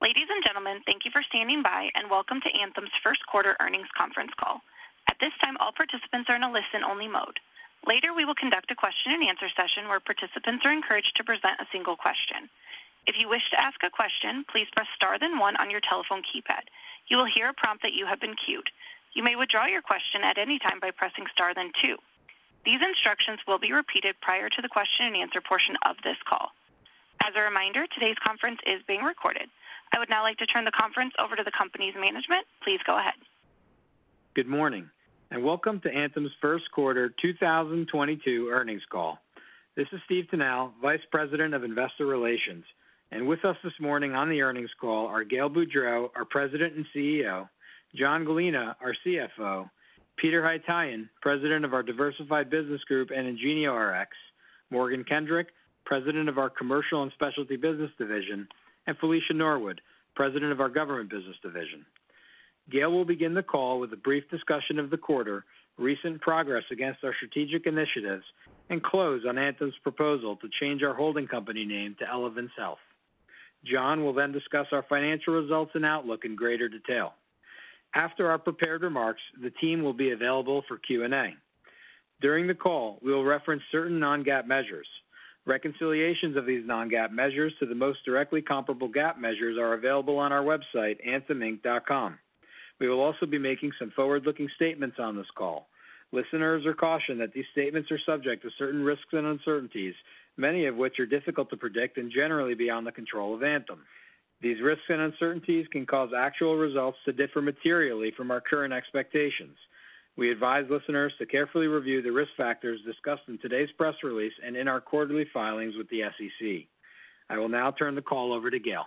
Ladies and gentlemen, thank you for standing by and welcome to Anthem's First Quarter Earnings Conference Call. At this time, all participants are in a listen-only mode. Later, we will conduct a question and answer session where participants are encouraged to present a single question. If you wish to ask a question, please press star, then one on your telephone keypad. You will hear a prompt that you have been queued. You may withdraw your question at any time by pressing star then two. These instructions will be repeated prior to the question and answer portion of this call. As a reminder, today's conference is being recorded. I would now like to turn the conference over to the company's management. Please go ahead. Good morning and welcome to Anthem's First Quarter 2022 Earnings Call. This is Stephen Tanal, Vice President of Investor Relations. With us this morning on the earnings call are Gail Boudreaux, our President and CEO, John Gallina, our CFO, Peter Haytaian, President of our Diversified Business Group and IngenioRx, Morgan Kendrick, President of our Commercial and Specialty Business Division, and Felicia Norwood, President of our Government Business Division. Gail will begin the call with a brief discussion of this quarter's recent progress against our strategic initiatives, and close on Anthem's proposal to change our holding company name to Elevance Health. John will then discuss our financial results and outlook in greater detail. After our prepared remarks, the team will be available for Q&A. During the call, we will reference certain non-GAAP measures. Reconciliations of these non-GAAP measures to the most directly comparable GAAP measures are available on our website, antheminc.com. We will also be making some forward-looking statements on this call. Listeners are cautioned that these statements are subject to certain risks and uncertainties, many of which are difficult to predict and generally beyond the control of Anthem. These risks and uncertainties can cause actual results to differ materially from our current expectations. We advise listeners to carefully review the risk factors discussed in today's press release and in our quarterly filings with the SEC. I will now turn the call over to Gail.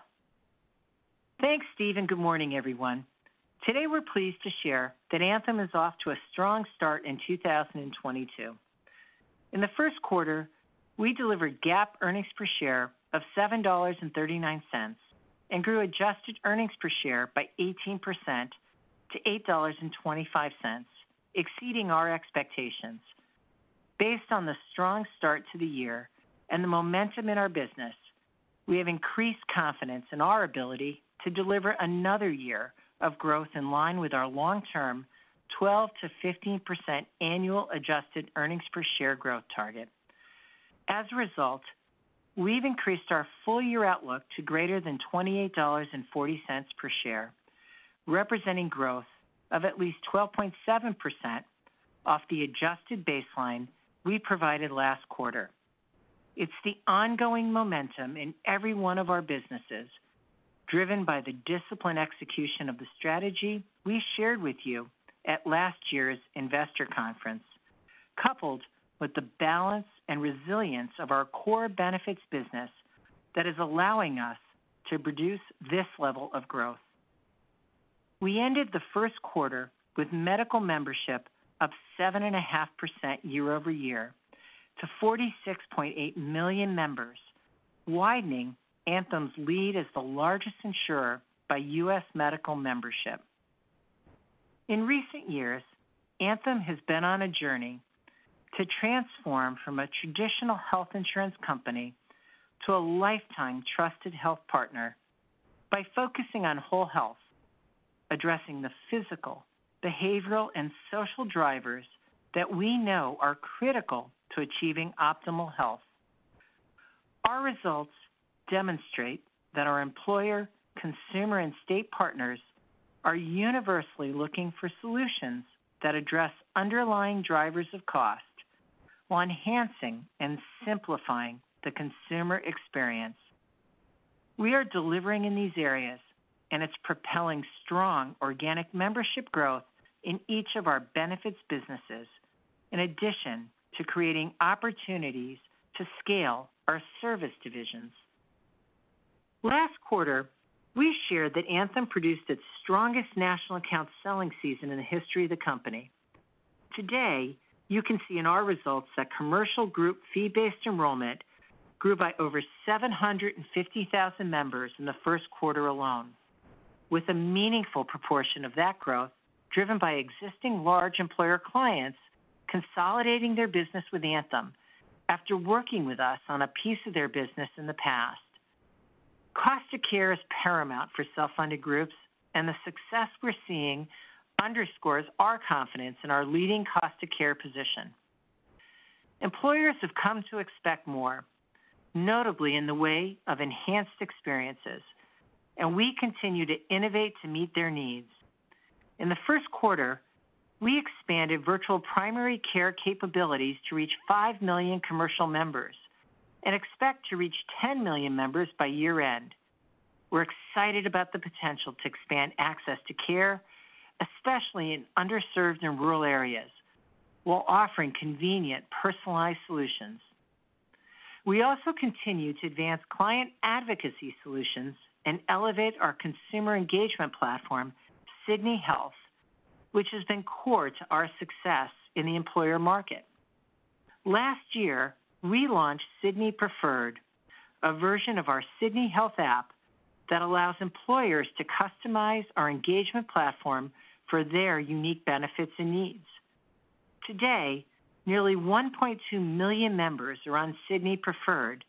Thanks, Stephen, and good morning, everyone. Today we're pleased to share that Anthem is off to a strong start in 2022. In the first quarter, we delivered GAAP earnings per share of $7.39 and grew adjusted earnings per share by 18% to $8.25, exceeding our expectations. Based on the strong start to the year and the momentum in our business, we have increased confidence in our ability to deliver another year of growth in line with our long term 12%-15% annual adjusted earnings per share growth target. As a result, we've increased our full-year outlook to greater than $28.40 per share, representing growth of at least 12.7% off the adjusted baseline we provided last quarter. It's the ongoing momentum in every one of our businesses, driven by the disciplined execution of the strategy we shared with you at last year's investor conference, coupled with the balance and resilience of our core benefits business that is allowing us to produce this level of growth. We ended the first quarter with medical membership up 7.5% year-over-year to 46.8 million members, widening Anthem's lead as the largest insurer by U.S. medical membership. In recent years, Anthem has been on a journey to transform from a traditional health insurance company to a lifetime trusted health partner by focusing on whole health, addressing the physical, behavioral, and social drivers that we know are critical to achieving optimal health. Our results demonstrate that our employer, consumer, and state partners are universally looking for solutions that address underlying drivers of cost while enhancing and simplifying the consumer experience. We are delivering in these areas, and it's propelling strong organic membership growth in each of our benefits businesses in addition to creating opportunities to scale our service divisions. Last quarter, we shared that Anthem produced its strongest national account selling season in the history of the company. Today, you can see in our results that commercial group fee-based enrollment grew by over 750,000 members in the first quarter alone, with a meaningful proportion of that growth driven by existing large employer clients consolidating their business with Anthem after working with us on a piece of their business in the past. Cost of care is paramount for self-funded groups, and the success we're seeing underscores our confidence in our leading cost of care position. Employers have come to expect more, notably in the way of enhanced experiences, and we continue to innovate to meet their needs. In the first quarter, we expanded virtual primary care capabilities to reach 5 million commercial members and expect to reach 10 million members by year-end. We're excited about the potential to expand access to care, especially in underserved and rural areas, while offering convenient, personalized solutions. We also continue to advance client advocacy solutions and elevate our consumer engagement platform, Sydney Health, which has been core to our success in the employer market. Last year, we launched Sydney Preferred, a version of our Sydney Health app that allows employers to customize our engagement platform for their unique benefits and needs. Today, nearly 1.2 million members are on Sydney Preferred,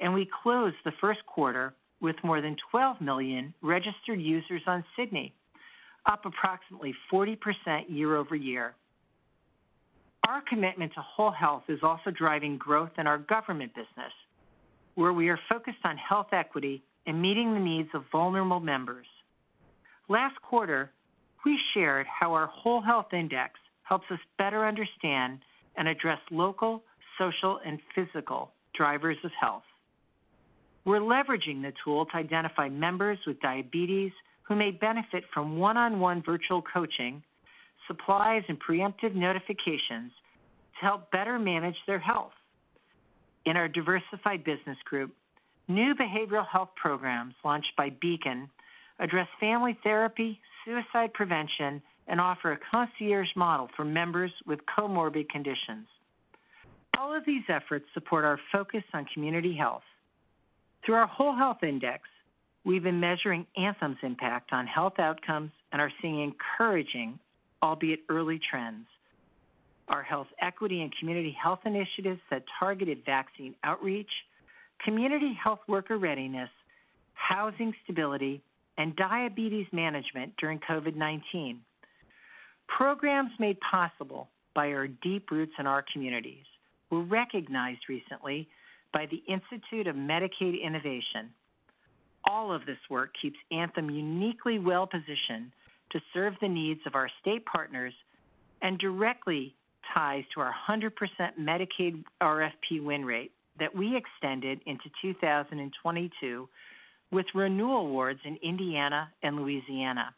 and we closed the first quarter with more than 12 million registered users on Sydney, up approximately 40% year-over-year. Our commitment to whole health is also driving growth in our government business, where we are focused on health equity and meeting the needs of vulnerable members. Last quarter, we shared how our whole health index helps us better understand and address local, social, and physical drivers of health. We're leveraging the tool to identify members with diabetes who may benefit from one-on-one virtual coaching, supplies, and preemptive notifications to help better manage their health. In our Diversified Business Group, new behavioral health programs launched by Beacon address family therapy, suicide prevention, and offer a concierge model for members with comorbid conditions. All of these efforts support our focus on community health. Through our whole health index, we've been measuring Anthem's impact on health outcomes and are seeing encouraging, albeit early trends. Our health equity and community health initiatives that targeted vaccine outreach, community health worker readiness, housing stability, and diabetes management during COVID-19 programs made possible by our deep roots in our communities were recognized recently by the Institute for Medicaid Innovation. All of this work keeps Anthem uniquely well-positioned to serve the needs of our state partners and directly ties to our 100% Medicaid RFP win rate that we extended into 2022 with renewal awards in Indiana and Louisiana.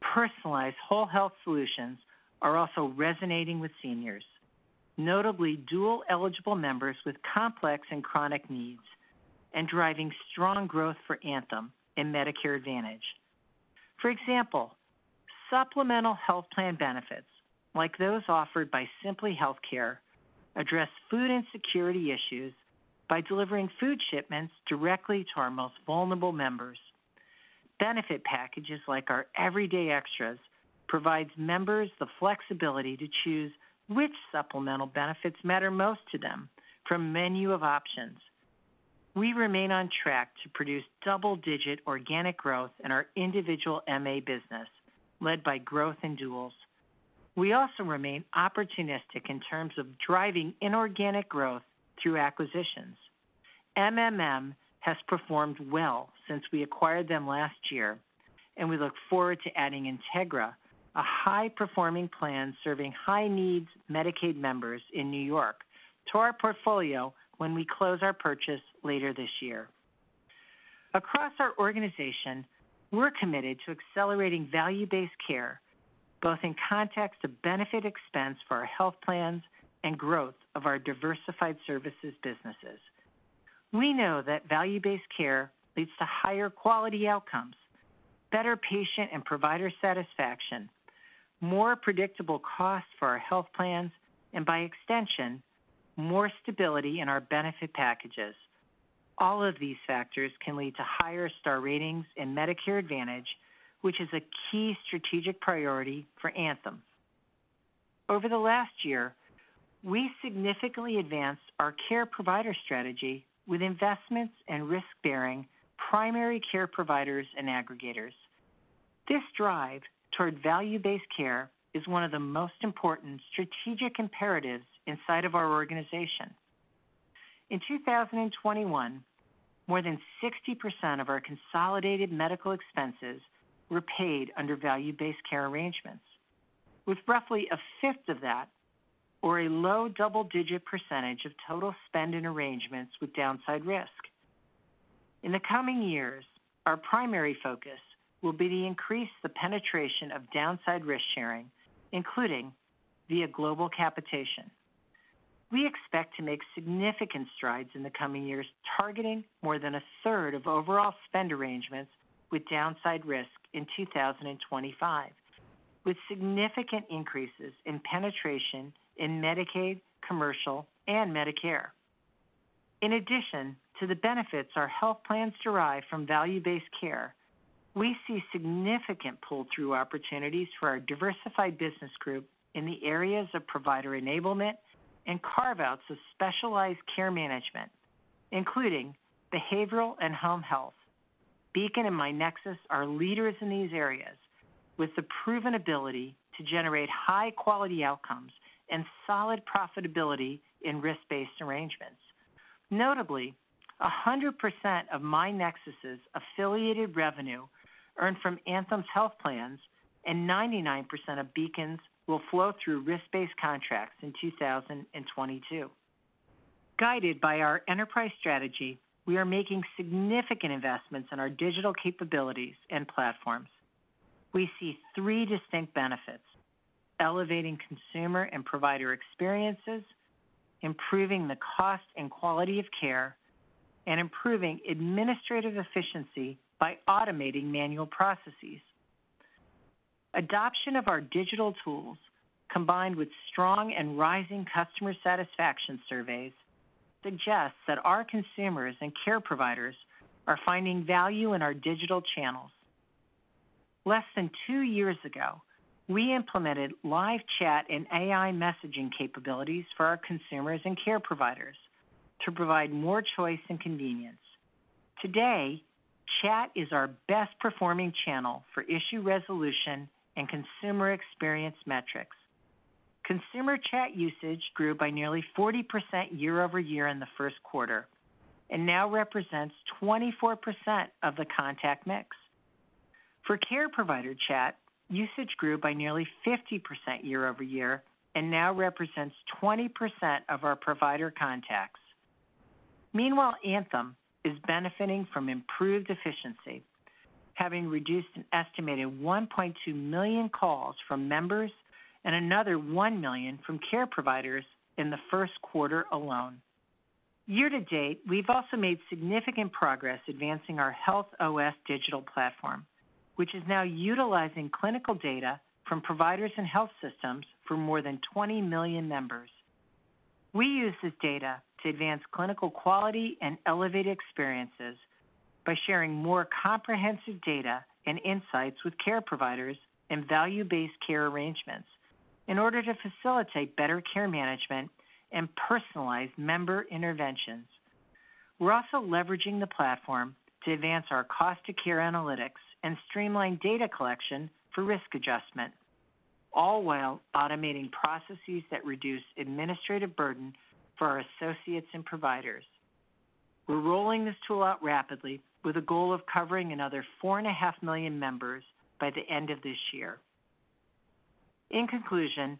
Personalized whole health solutions are also resonating with seniors, notably dual-eligible members with complex and chronic needs and driving strong growth for Anthem in Medicare Advantage. For example, supplemental health plan benefits, like those offered by Simply Healthcare, address food insecurity issues by delivering food shipments directly to our most vulnerable members. Benefit packages like our Everyday Extras provides members the flexibility to choose which supplemental benefits matter most to them from menu of options. We remain on track to produce double-digit organic growth in our individual MA business led by growth in duals. We also remain opportunistic in terms of driving inorganic growth through acquisitions. MMM has performed well since we acquired them last year, and we look forward to adding Integra, a high-performing plan serving high-needs Medicaid members in New York to our portfolio when we close our purchase later this year. Across our organization, we're committed to accelerating value-based care, both in context of benefit expense for our health plans and growth of our diversified services businesses. We know that value-based care leads to higher quality outcomes, better patient and provider satisfaction, more predictable costs for our health plans, and by extension, more stability in our benefit packages. All of these factors can lead to higher Star Ratings in Medicare Advantage, which is a key strategic priority for Anthem. Over the last year, we significantly advanced our care provider strategy with investments and risk-bearing primary care providers and aggregators. This drive toward value-based care is one of the most important strategic imperatives inside of our organization. In 2021, more than 60% of our consolidated medical expenses were paid under value-based care arrangements, with roughly a fifth of that or a low double-digit percentage of total spend in arrangements with downside risk. In the coming years, our primary focus will be to increase the penetration of downside risk sharing, including via global capitation. We expect to make significant strides in the coming years, targeting more than a third of overall spend arrangements with downside risk in 2025, with significant increases in penetration in Medicaid, commercial, and Medicare. In addition to the benefits our health plans derive from value-based care, we see significant pull-through opportunities for our Diversified Business Group in the areas of provider enablement and carve-outs of specialized care management, including behavioral and home health. Beacon and myNEXUS are leaders in these areas with the proven ability to generate high-quality outcomes and solid profitability in risk-based arrangements. Notably, 100% of myNEXUS's affiliated revenue earned from Anthem's health plans and 99% of Beacon's will flow through risk-based contracts in 2022. Guided by our enterprise strategy, we are making significant investments in our digital capabilities and platforms. We see three distinct benefits, elevating consumer and provider experiences, improving the cost and quality of care, and improving administrative efficiency by automating manual processes. Adoption of our digital tools, combined with strong and rising customer satisfaction surveys, suggests that our consumers and care providers are finding value in our digital channels. Less than two years ago, we implemented live chat and AI messaging capabilities for our consumers and care providers to provide more choice and convenience. Today, chat is our best performing channel for issue resolution and consumer experience metrics. Consumer chat usage grew by nearly 40% year-over-year in the first quarter, and now represents 24% of the contact mix. For care provider chat, usage grew by nearly 50% year-over-year and now represents 20% of our provider contacts. Meanwhile, Elevance Health is benefiting from improved efficiency, having reduced an estimated 1.2 million calls from members and another 1 million from care providers in the first quarter alone. Year to date, we've also made significant progress advancing our HealthOS digital platform, which is now utilizing clinical data from providers and health systems for more than 20 million members. We use this data to advance clinical quality and elevated experiences by sharing more comprehensive data and insights with care providers and value-based care arrangements in order to facilitate better care management and personalize member interventions. We're also leveraging the platform to advance our cost to care analytics and streamline data collection for risk adjustment, all while automating processes that reduce administrative burden for our associates and providers. We're rolling this tool out rapidly with a goal of covering another 4.5 million members by the end of this year. In conclusion,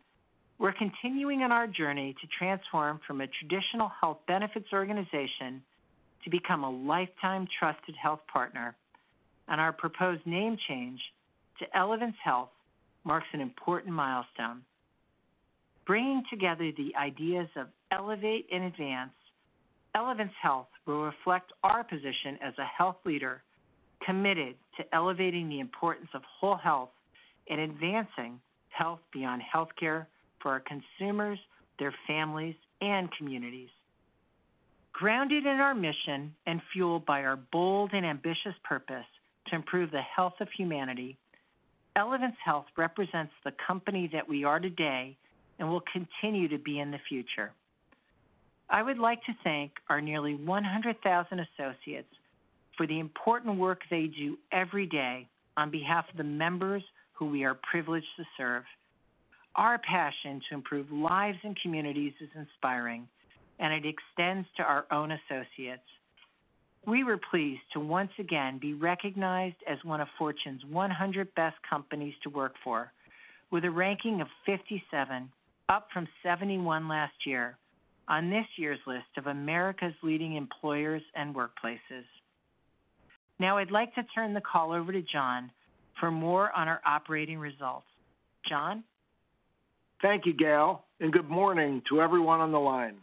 we're continuing on our journey to transform from a traditional health benefits organization to become a lifetime trusted health partner, and our proposed name change to Elevance Health marks an important milestone. Bringing together the ideas of elevate and advance, Elevance Health will reflect our position as a health leader committed to elevating the importance of whole health and advancing health beyond health care for our consumers, their families, and communities. Grounded in our mission and fueled by our bold and ambitious purpose to improve the health of humanity, Elevance Health represents the company that we are today and will continue to be in the future. I would like to thank our nearly 100,000 associates for the important work they do every day on behalf of the members who we are privileged to serve. Our passion to improve lives and communities is inspiring, and it extends to our own associates. We were pleased to once again be recognized as one of Fortune's 100 Best Companies to Work For with a ranking of 57, up from 71 last year on this year's list of America's leading employers and workplaces. Now I'd like to turn the call over to John for more on our operating results. John? Thank you, Gail, and good morning to everyone on the line.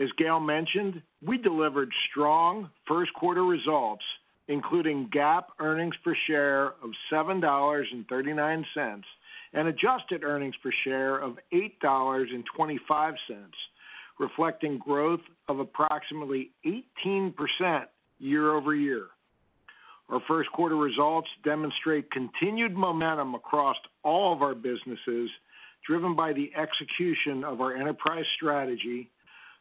As Gail mentioned, we delivered strong first quarter results, including GAAP earnings per share of $7.39, and adjusted earnings per share of $8.25, reflecting growth of approximately 18% year-over-year. Our first quarter results demonstrate continued momentum across all of our businesses, driven by the execution of our enterprise strategy,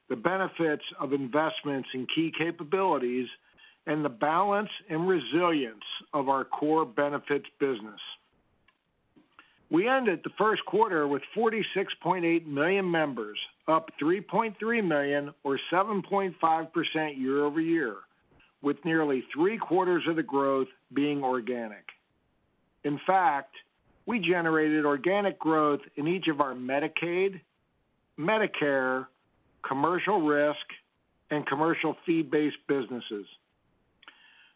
the benefits of investments in key capabilities, and the balance and resilience of our core benefits business. We ended the first quarter with 46.8 million members, up 3.3 million or 7.5% year-over-year, with nearly three-quarters of the growth being organic. In fact, we generated organic growth in each of our Medicaid, Medicare, commercial risk, and commercial fee-based businesses.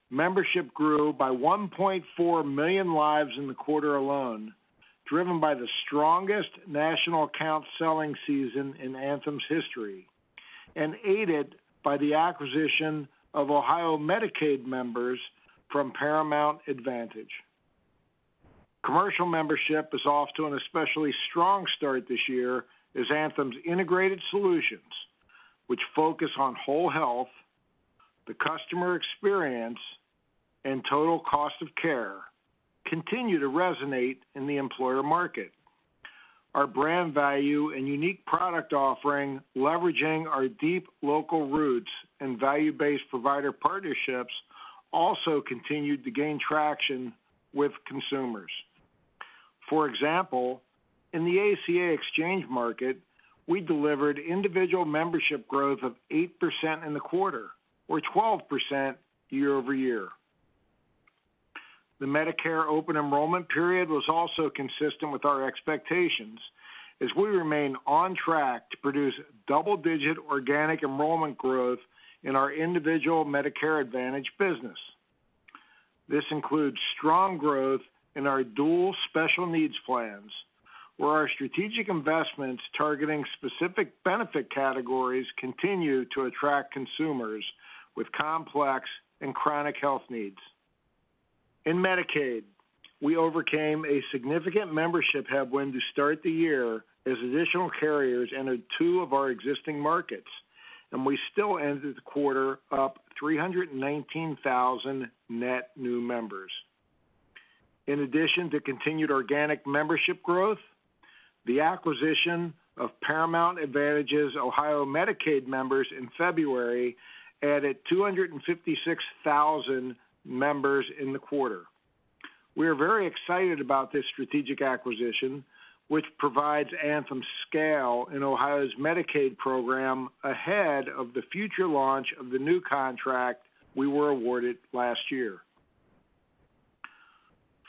Membership grew by 1.4 million lives in the quarter alone, driven by the strongest national account selling season in Anthem's history and aided by the acquisition of Ohio Medicaid members from Paramount Advantage. Commercial membership is off to an especially strong start this year as Anthem's integrated solutions, which focus on whole health, the customer experience, and total cost of care, continue to resonate in the employer market. Our brand value and unique product offering, leveraging our deep local roots and value-based provider partnerships, also continued to gain traction with consumers. For example, in the ACA Exchange Market, we delivered individual membership growth of 8% in the quarter or 12% year-over-year. The Medicare open enrollment period was also consistent with our expectations as we remain on track to produce double-digit organic enrollment growth in our individual Medicare Advantage business. This includes strong growth in our dual special needs plans, where our strategic investments targeting specific benefit categories continue to attract consumers with complex and chronic health needs. In Medicaid, we overcame a significant membership headwind to start the year as additional carriers entered two of our existing markets, and we still ended the quarter up 319,000 net new members. In addition to continued organic membership growth, the acquisition of Paramount Advantage's Ohio Medicaid members in February added 256,000 members in the quarter. We are very excited about this strategic acquisition, which provides Anthem's scale in Ohio's Medicaid program ahead of the future launch of the new contract we were awarded last year.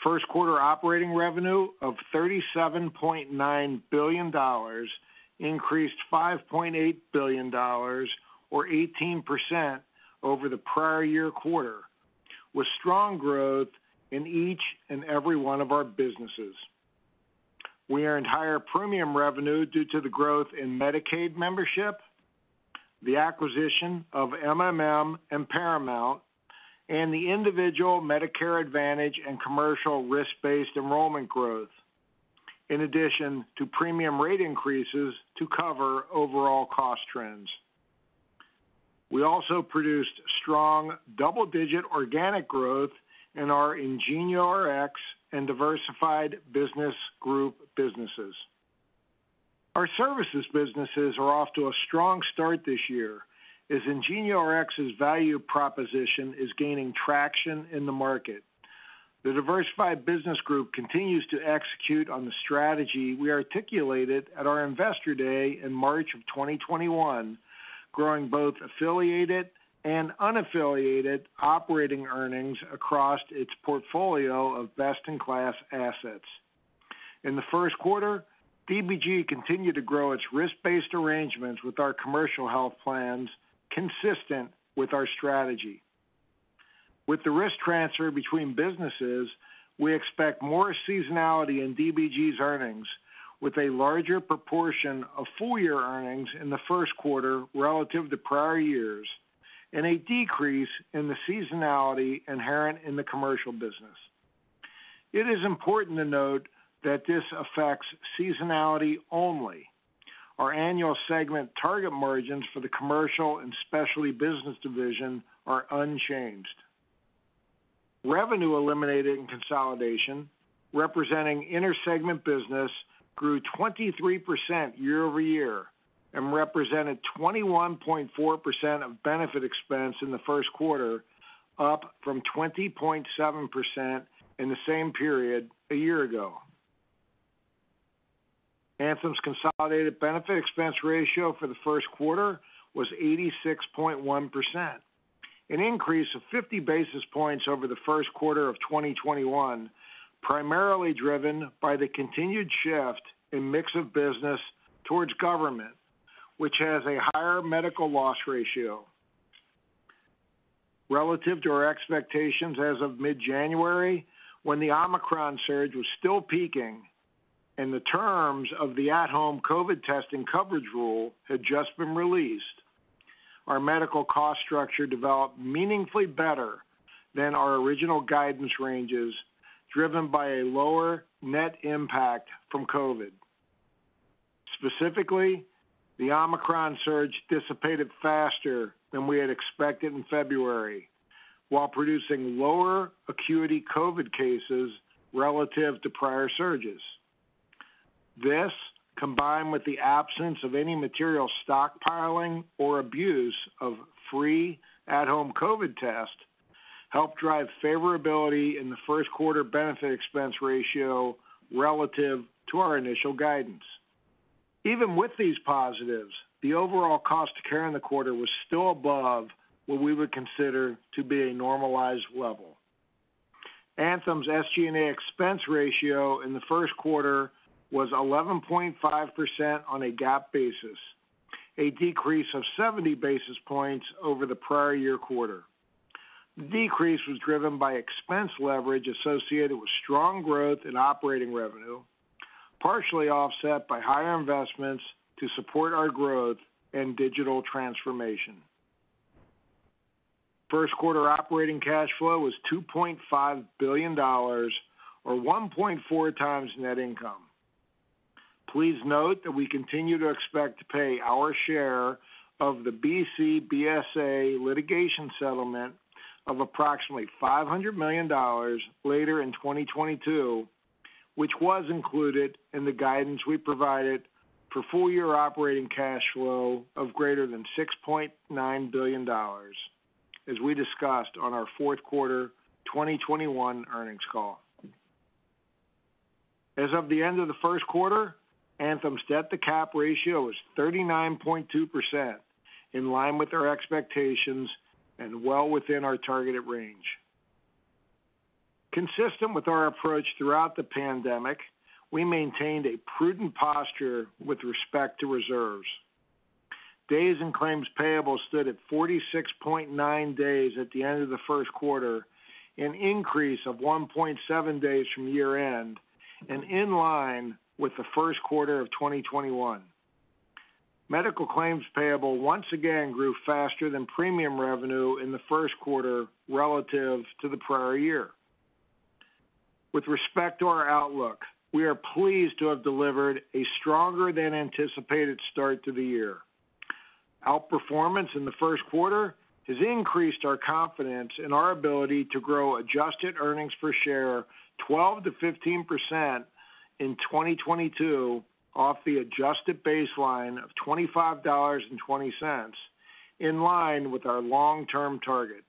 First quarter operating revenue of $37.9 billion increased $5.8 billion or 18% over the prior year quarter, with strong growth in each and every one of our businesses. We earned higher premium revenue due to the growth in Medicaid membership, the acquisition of MMM and Paramount, and the individual Medicare Advantage and commercial risk-based enrollment growth, in addition to premium rate increases to cover overall cost trends. We also produced strong double-digit organic growth in our IngenioRx and Diversified Business Group businesses. Our services businesses are off to a strong start this year as IngenioRx's value proposition is gaining traction in the market. The Diversified Business Group continues to execute on the strategy we articulated at our Investor Day in March of 2021, growing both affiliated and unaffiliated operating earnings across its portfolio of best-in-class assets. In the first quarter, DBG continued to grow its risk-based arrangements with our commercial health plans consistent with our strategy. With the risk transfer between businesses, we expect more seasonality in DBG's earnings with a larger proportion of full year earnings in the first quarter relative to prior years, and a decrease in the seasonality inherent in the commercial business. It is important to note that this affects seasonality only. Our annual segment target margins for the Commercial and Specialty Business Division are unchanged. Revenue eliminated in consolidation, representing inter-segment business, grew 23% year-over-year and represented 21.4% of benefit expense in the first quarter, up from 20.7% in the same period a year ago. Anthem's consolidated benefit expense ratio for the first quarter was 86.1%, an increase of 50 basis points over the first quarter of 2021, primarily driven by the continued shift in mix of business towards government, which has a higher medical loss ratio. Relative to our expectations as of mid-January, when the Omicron surge was still peaking and the terms of the at-home COVID testing coverage rule had just been released, our medical cost structure developed meaningfully better than our original guidance ranges driven by a lower net impact from COVID. Specifically, the Omicron surge dissipated faster than we had expected in February while producing lower acuity COVID cases relative to prior surges. This, combined with the absence of any material stockpiling or abuse of free at-home COVID tests, helped drive favorability in the first quarter benefit expense ratio relative to our initial guidance. Even with these positives, the overall cost of care in the quarter was still above what we would consider to be a normalized level. Anthem's SG&A expense ratio in the first quarter was 11.5% on a GAAP basis, a decrease of 70 basis points over the prior year quarter. The decrease was driven by expense leverage associated with strong growth in operating revenue, partially offset by higher investments to support our growth and digital transformation. First quarter operating cash flow was $2.5 billion or 1.4x net income. Please note that we continue to expect to pay our share of the BCBSA litigation settlement of approximately $500 million later in 2022, which was included in the guidance we provided for full year operating cash flow of greater than $6.9 billion as we discussed on our Fourth Quarter 2021 Earnings Call. As of the end of the first quarter, Elevance Health's debt-to-capital ratio is 39.2%, in line with our expectations and well within our targeted range. Consistent with our approach throughout the pandemic, we maintained a prudent posture with respect to reserves. Days in claims payable stood at 46.9 days at the end of the first quarter, an increase of 1.7 days from year-end and in line with the first quarter of 2021. Medical claims payable once again grew faster than premium revenue in the first quarter relative to the prior year. With respect to our outlook, we are pleased to have delivered a stronger than anticipated start to the year. Outperformance in the first quarter has increased our confidence in our ability to grow adjusted earnings per share 12%-15% in 2022 off the adjusted baseline of $25.20, in line with our long-term target.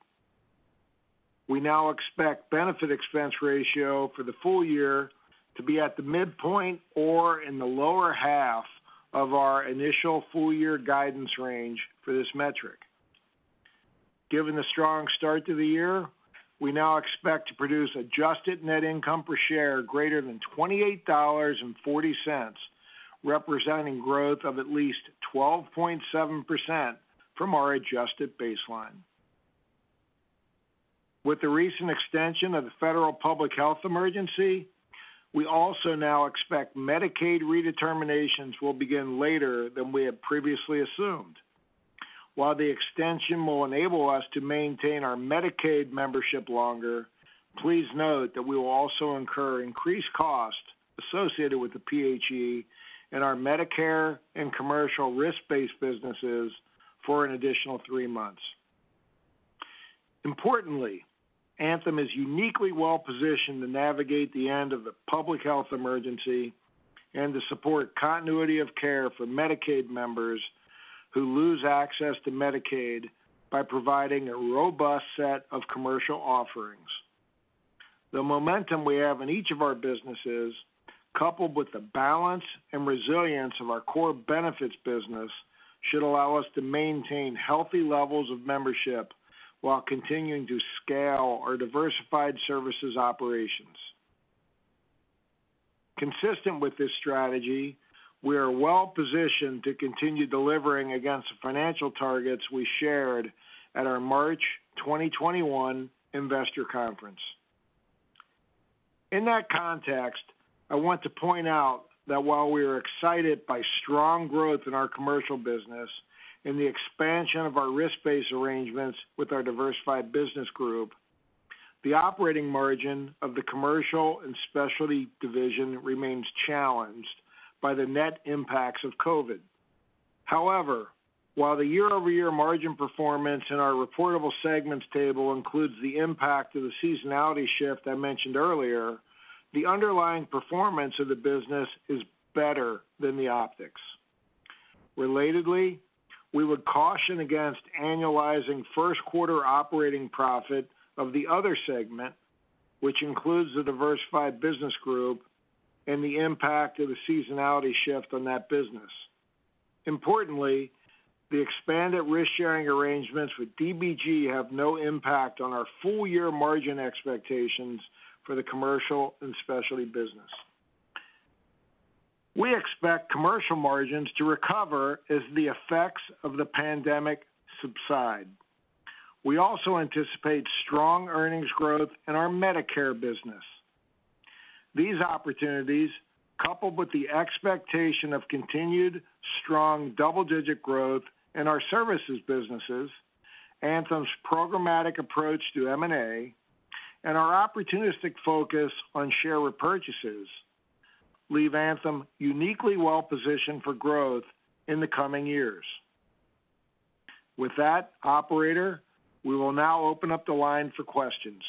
We now expect benefit expense ratio for the full year to be at the midpoint or in the lower half of our initial full year guidance range for this metric. Given the strong start to the year, we now expect to produce adjusted net income per share greater than $28.40, representing growth of at least 12.7% from our adjusted baseline. With the recent extension of the federal public health emergency, we also now expect Medicaid redeterminations will begin later than we had previously assumed. While the extension will enable us to maintain our Medicaid membership longer, please note that we will also incur increased costs associated with the PHE and our Medicare and commercial risk-based businesses for an additional three months. Importantly, Elevance Health is uniquely well-positioned to navigate the end of the public health emergency and to support continuity of care for Medicaid members who lose access to Medicaid by providing a robust set of commercial offerings. The momentum we have in each of our businesses, coupled with the balance and resilience of our core benefits business, should allow us to maintain healthy levels of membership while continuing to scale our diversified services operations. Consistent with this strategy, we are well positioned to continue delivering against the financial targets we shared at our March 2021 investor conference. In that context, I want to point out that while we are excited by strong growth in our commercial business and the expansion of our risk-based arrangements with our Diversified Business Group, the operating margin of the Commercial and Specialty Business Division remains challenged by the net impacts of COVID. However, while the year-over-year margin performance in our reportable segments table includes the impact of the seasonality shift I mentioned earlier, the underlying performance of the business is better than the optics. Relatedly, we would caution against annualizing first quarter operating profit of the other segment, which includes the Diversified Business Group and the impact of a seasonality shift on that business. Importantly, the expanded risk-sharing arrangements with DBG have no impact on our full year margin expectations for the Commercial and Specialty Business. We expect commercial margins to recover as the effects of the pandemic subside. We also anticipate strong earnings growth in our Medicare business. These opportunities, coupled with the expectation of continued strong double-digit growth in our services businesses, Anthem's programmatic approach to M&A, and our opportunistic focus on share repurchases, leave Anthem uniquely well positioned for growth in the coming years. With that operator, we will now open up the line for questions.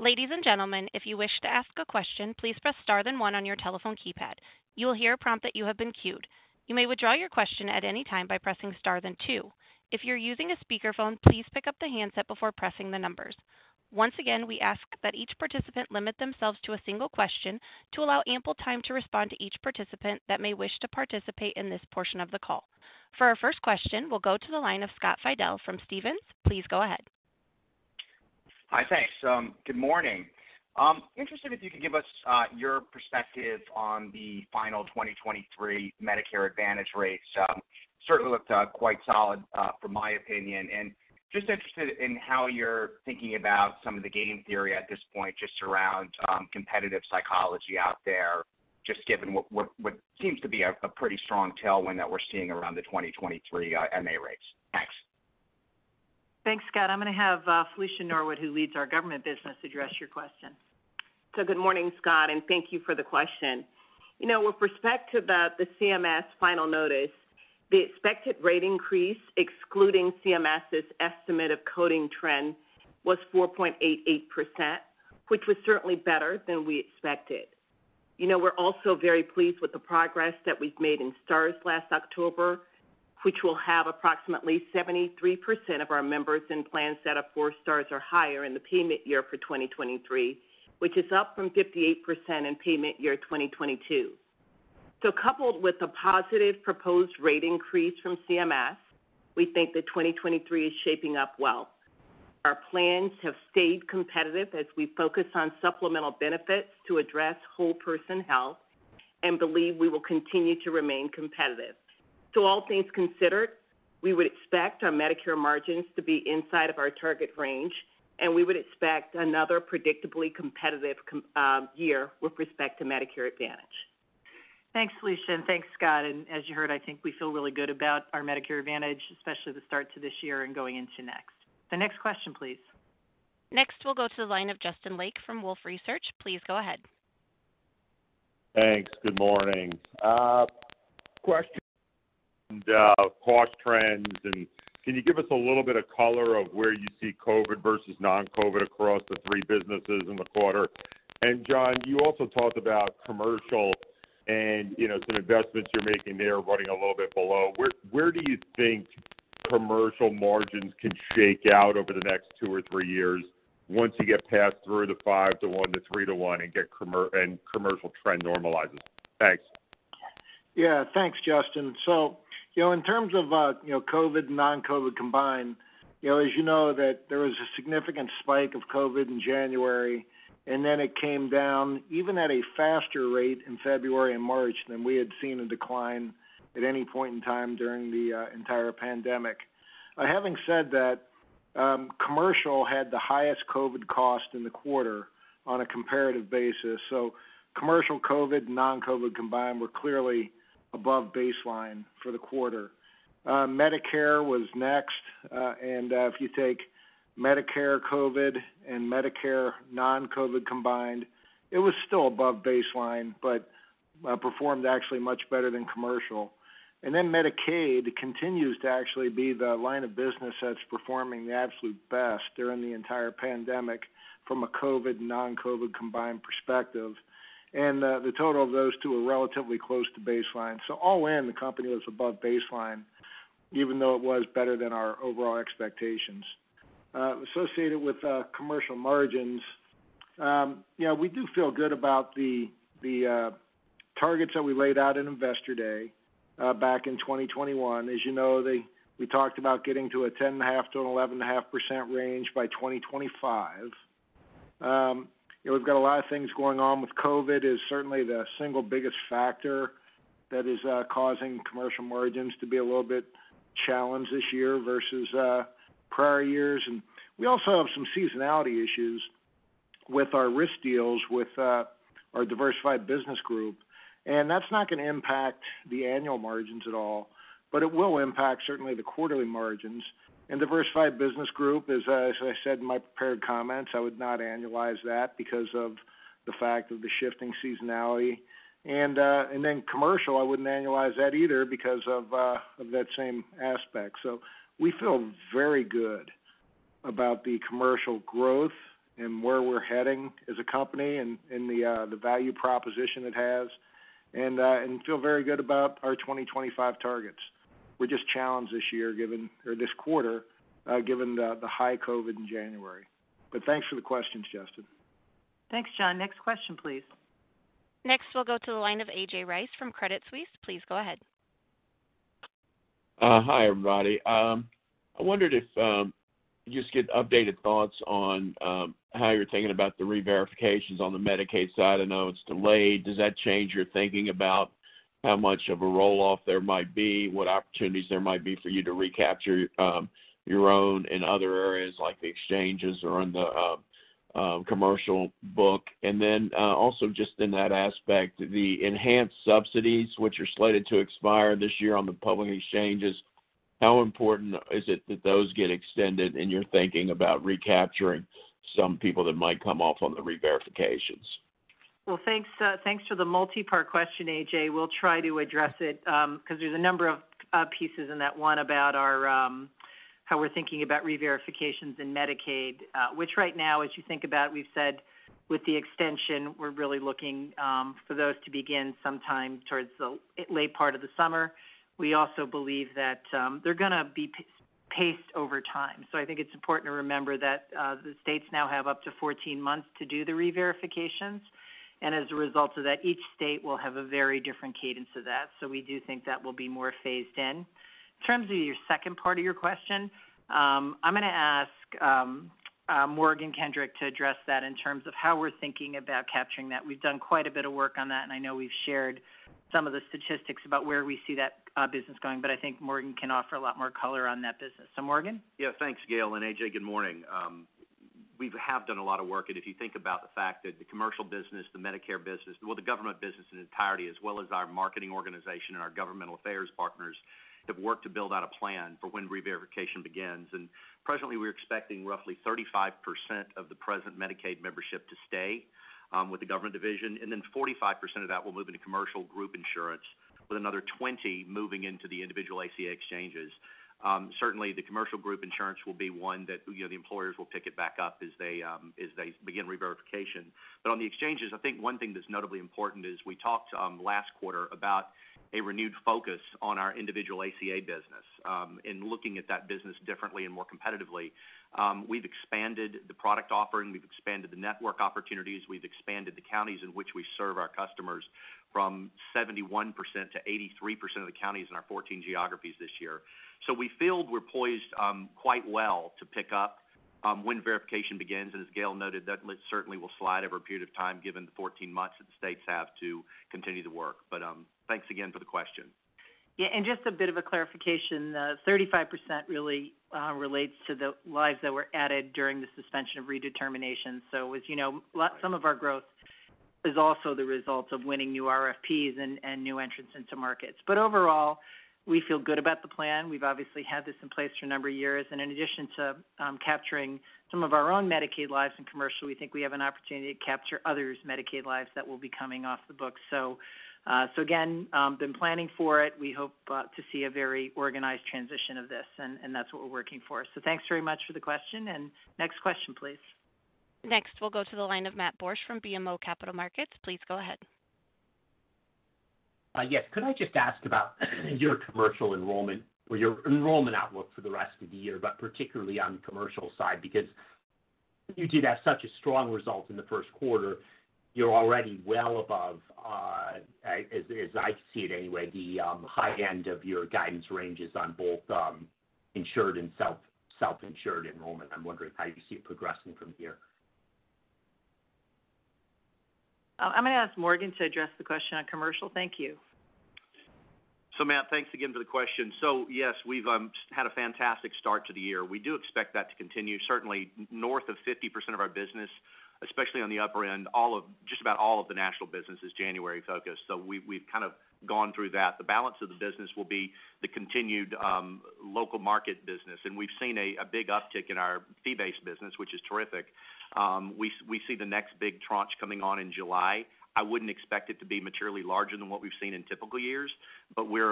Ladies and gentlemen, if you wish to ask a question, please press star then one on your telephone keypad. You will hear a prompt that you have been queued. You may withdraw your question at any time by pressing star then two. If you're using a speakerphone, please pick up the handset before pressing the numbers. Once again, we ask that each participant limit themselves to a single question to allow ample time to respond to each participant that may wish to participate in this portion of the call. For our first question, we'll go to the line of Scott Fidel from Stephens. Please go ahead. Hi. Thanks. Good morning. Interested if you could give us your perspective on the final 2023 Medicare Advantage rates. Certainly looked quite solid in my opinion, and just interested in how you're thinking about some of the game theory at this point, just around competitive psychology out there, just given what seems to be a pretty strong tailwind that we're seeing around the 2023 MA rates. Thanks. Thanks, Scott. I'm gonna have Felicia Norwood, who leads our government business, address your question. Good morning, Scott, and thank you for the question. You know, with respect to the CMS final notice, the expected rate increase, excluding CMS's estimate of coding trends, was 4.88%, which was certainly better than we expected. You know, we're also very pleased with the progress that we've made in Star Ratings last October, which will have approximately 73% of our members in plans that have 4 stars or higher in the payment year for 2023, which is up from 58% in payment year 2022. Coupled with the positive proposed rate increase from CMS, we think that 2023 is shaping up well. Our plans have stayed competitive as we focus on supplemental benefits to address whole person health and believe we will continue to remain competitive. All things considered We would expect our Medicare margins to be inside of our target range, and we would expect another predictably competitive year with respect to Medicare Advantage. Thanks, Felicia, and thanks, Scott. As you heard, I think we feel really good about our Medicare Advantage, especially the start to this year and going into next. The next question, please. Next, we'll go to the line of Justin Lake from Wolfe Research. Please go ahead. Thanks. Good morning. Question, cost trends, and can you give us a little bit of color on where you see COVID versus non-COVID across the three businesses in the quarter? John, you also talked about commercial and, you know, some investments you're making there running a little bit below. Where do you think commercial margins can shake out over the next two or three years once you get past the 5-to-1 to 3-to-1 and commercial trend normalizes? Thanks. Yeah. Thanks, Justin. You know, in terms of, you know, COVID and non-COVID combined, you know, as you know that there was a significant spike of COVID in January, and then it came down even at a faster rate in February and March than we had seen a decline at any point in time during the entire pandemic. Having said that, Commercial had the highest COVID cost in the quarter on a comparative basis. Commercial COVID, non-COVID combined were clearly above baseline for the quarter. Medicare was next, and if you take Medicare COVID and Medicare non-COVID combined, it was still above baseline, but performed actually much better than Commercial. Then Medicaid continues to actually be the line of business that's performing the absolute best during the entire pandemic from a COVID, non-COVID combined perspective. The total of those two are relatively close to baseline. All in, the company was above baseline, even though it was better than our overall expectations. Associated with commercial margins, we do feel good about the targets that we laid out in Investor Day back in 2021. As you know, we talked about getting to a 10.5%-11.5% range by 2025. We've got a lot of things going on, with COVID is certainly the single biggest factor that is causing commercial margins to be a little bit challenged this year versus prior years. We also have some seasonality issues with our risk deals with our Diversified Business Group. That's not going to impact the annual margins at all, but it will impact certainly the quarterly margins. Diversified Business Group is, as I said in my prepared comments, I would not annualize that because of the fact of the shifting seasonality. Then Commercial, I wouldn't annualize that either because of that same aspect. We feel very good about the Commercial growth and where we're heading as a company and the value proposition it has, and feel very good about our 2025 targets. We're just challenged this quarter given the high COVID in January. Thanks for the questions, Justin. Thanks, John. Next question, please. Next, we'll go to the line of A.J. Rice from Credit Suisse. Please go ahead. Hi, everybody. I wondered if you just get updated thoughts on how you're thinking about the redeterminations on the Medicaid side. I know it's delayed. Does that change your thinking about how much of a roll-off there might be, what opportunities there might be for you to recapture your own in other areas like the exchanges or in the commercial book? Also just in that aspect, the enhanced subsidies, which are slated to expire this year on the public exchanges, how important is it that those get extended in your thinking about recapturing some people that might come off on the redeterminations? Well, thanks for the multi-part question, A.J. We'll try to address it, 'cause there's a number of pieces in that one about how we're thinking about reverifications in Medicaid, which right now, as you think about, we've said with the extension, we're really looking for those to begin sometime towards the late part of the summer. We also believe that, they're gonna be paced over time. I think it's important to remember that, the states now have up to 14 months to do the reverifications. As a result of that, each state will have a very different cadence of that. We do think that will be more phased in. In terms of your second part of your question, I'm gonna ask Morgan Kendrick to address that in terms of how we're thinking about capturing that. We've done quite a bit of work on that, and I know we've shared some of the statistics about where we see that business going. I think Morgan can offer a lot more color on that business. Morgan? Yeah. Thanks, Gail, and A.J., good morning. We have done a lot of work, and if you think about the fact that the commercial business, the Medicare business, well, the government business in entirety, as well as our marketing organization and our governmental affairs partners, have worked to build out a plan for when reverification begins. Presently, we're expecting roughly 35% of the present Medicaid membership to stay with the government division, and then 45% of that will move into commercial group insurance, with another 20 moving into the individual ACA exchanges. Certainly, the commercial group insurance will be one that, you know, the employers will pick it back up as they begin reverification. On the exchanges, I think one thing that's notably important is we talked last quarter about a renewed focus on our individual ACA business, and looking at that business differently and more competitively. We've expanded the product offering, we've expanded the network opportunities, we've expanded the counties in which we serve our customers from 71% to 83% of the counties in our 14 geographies this year. We feel we're poised quite well to pick up when verification begins, and as Gail noted, that list certainly will slide over a period of time given the 14 months that the states have to continue the work. Thanks again for the question. Yeah, just a bit of a clarification, 35% really relates to the lives that were added during the suspension of redetermination. As you know, some of our growth is also the result of winning new RFPs and new entrants into markets. Overall, we feel good about the plan. We've obviously had this in place for a number of years, and in addition to capturing some of our own Medicaid lives in commercial, we think we have an opportunity to capture others' Medicaid lives that will be coming off the books. Again, we've been planning for it. We hope to see a very organized transition of this, and that's what we're working for. Thanks very much for the question, and next question, please. Next, we'll go to the line of Matthew Borsch from BMO Capital Markets. Please go ahead. Yes. Could I just ask about your commercial enrollment or your enrollment outlook for the rest of the year, but particularly on the commercial side? Because you did have such a strong result in the first quarter, you're already well above, as I see it anyway, the high end of your guidance ranges on both insured and self-insured enrollment. I'm wondering how you see it progressing from here. I'm gonna ask Morgan to address the question on commercial. Thank you. Matt, thanks again for the question. Yes, we've had a fantastic start to the year. We do expect that to continue. Certainly north of 50% of our business, especially on the upper end, just about all of the national business is January-focused. We've kind of gone through that. The balance of the business will be the continued local market business. We've seen a big uptick in our fee-based business, which is terrific. We see the next big tranche coming on in July. I wouldn't expect it to be materially larger than what we've seen in typical years, but we're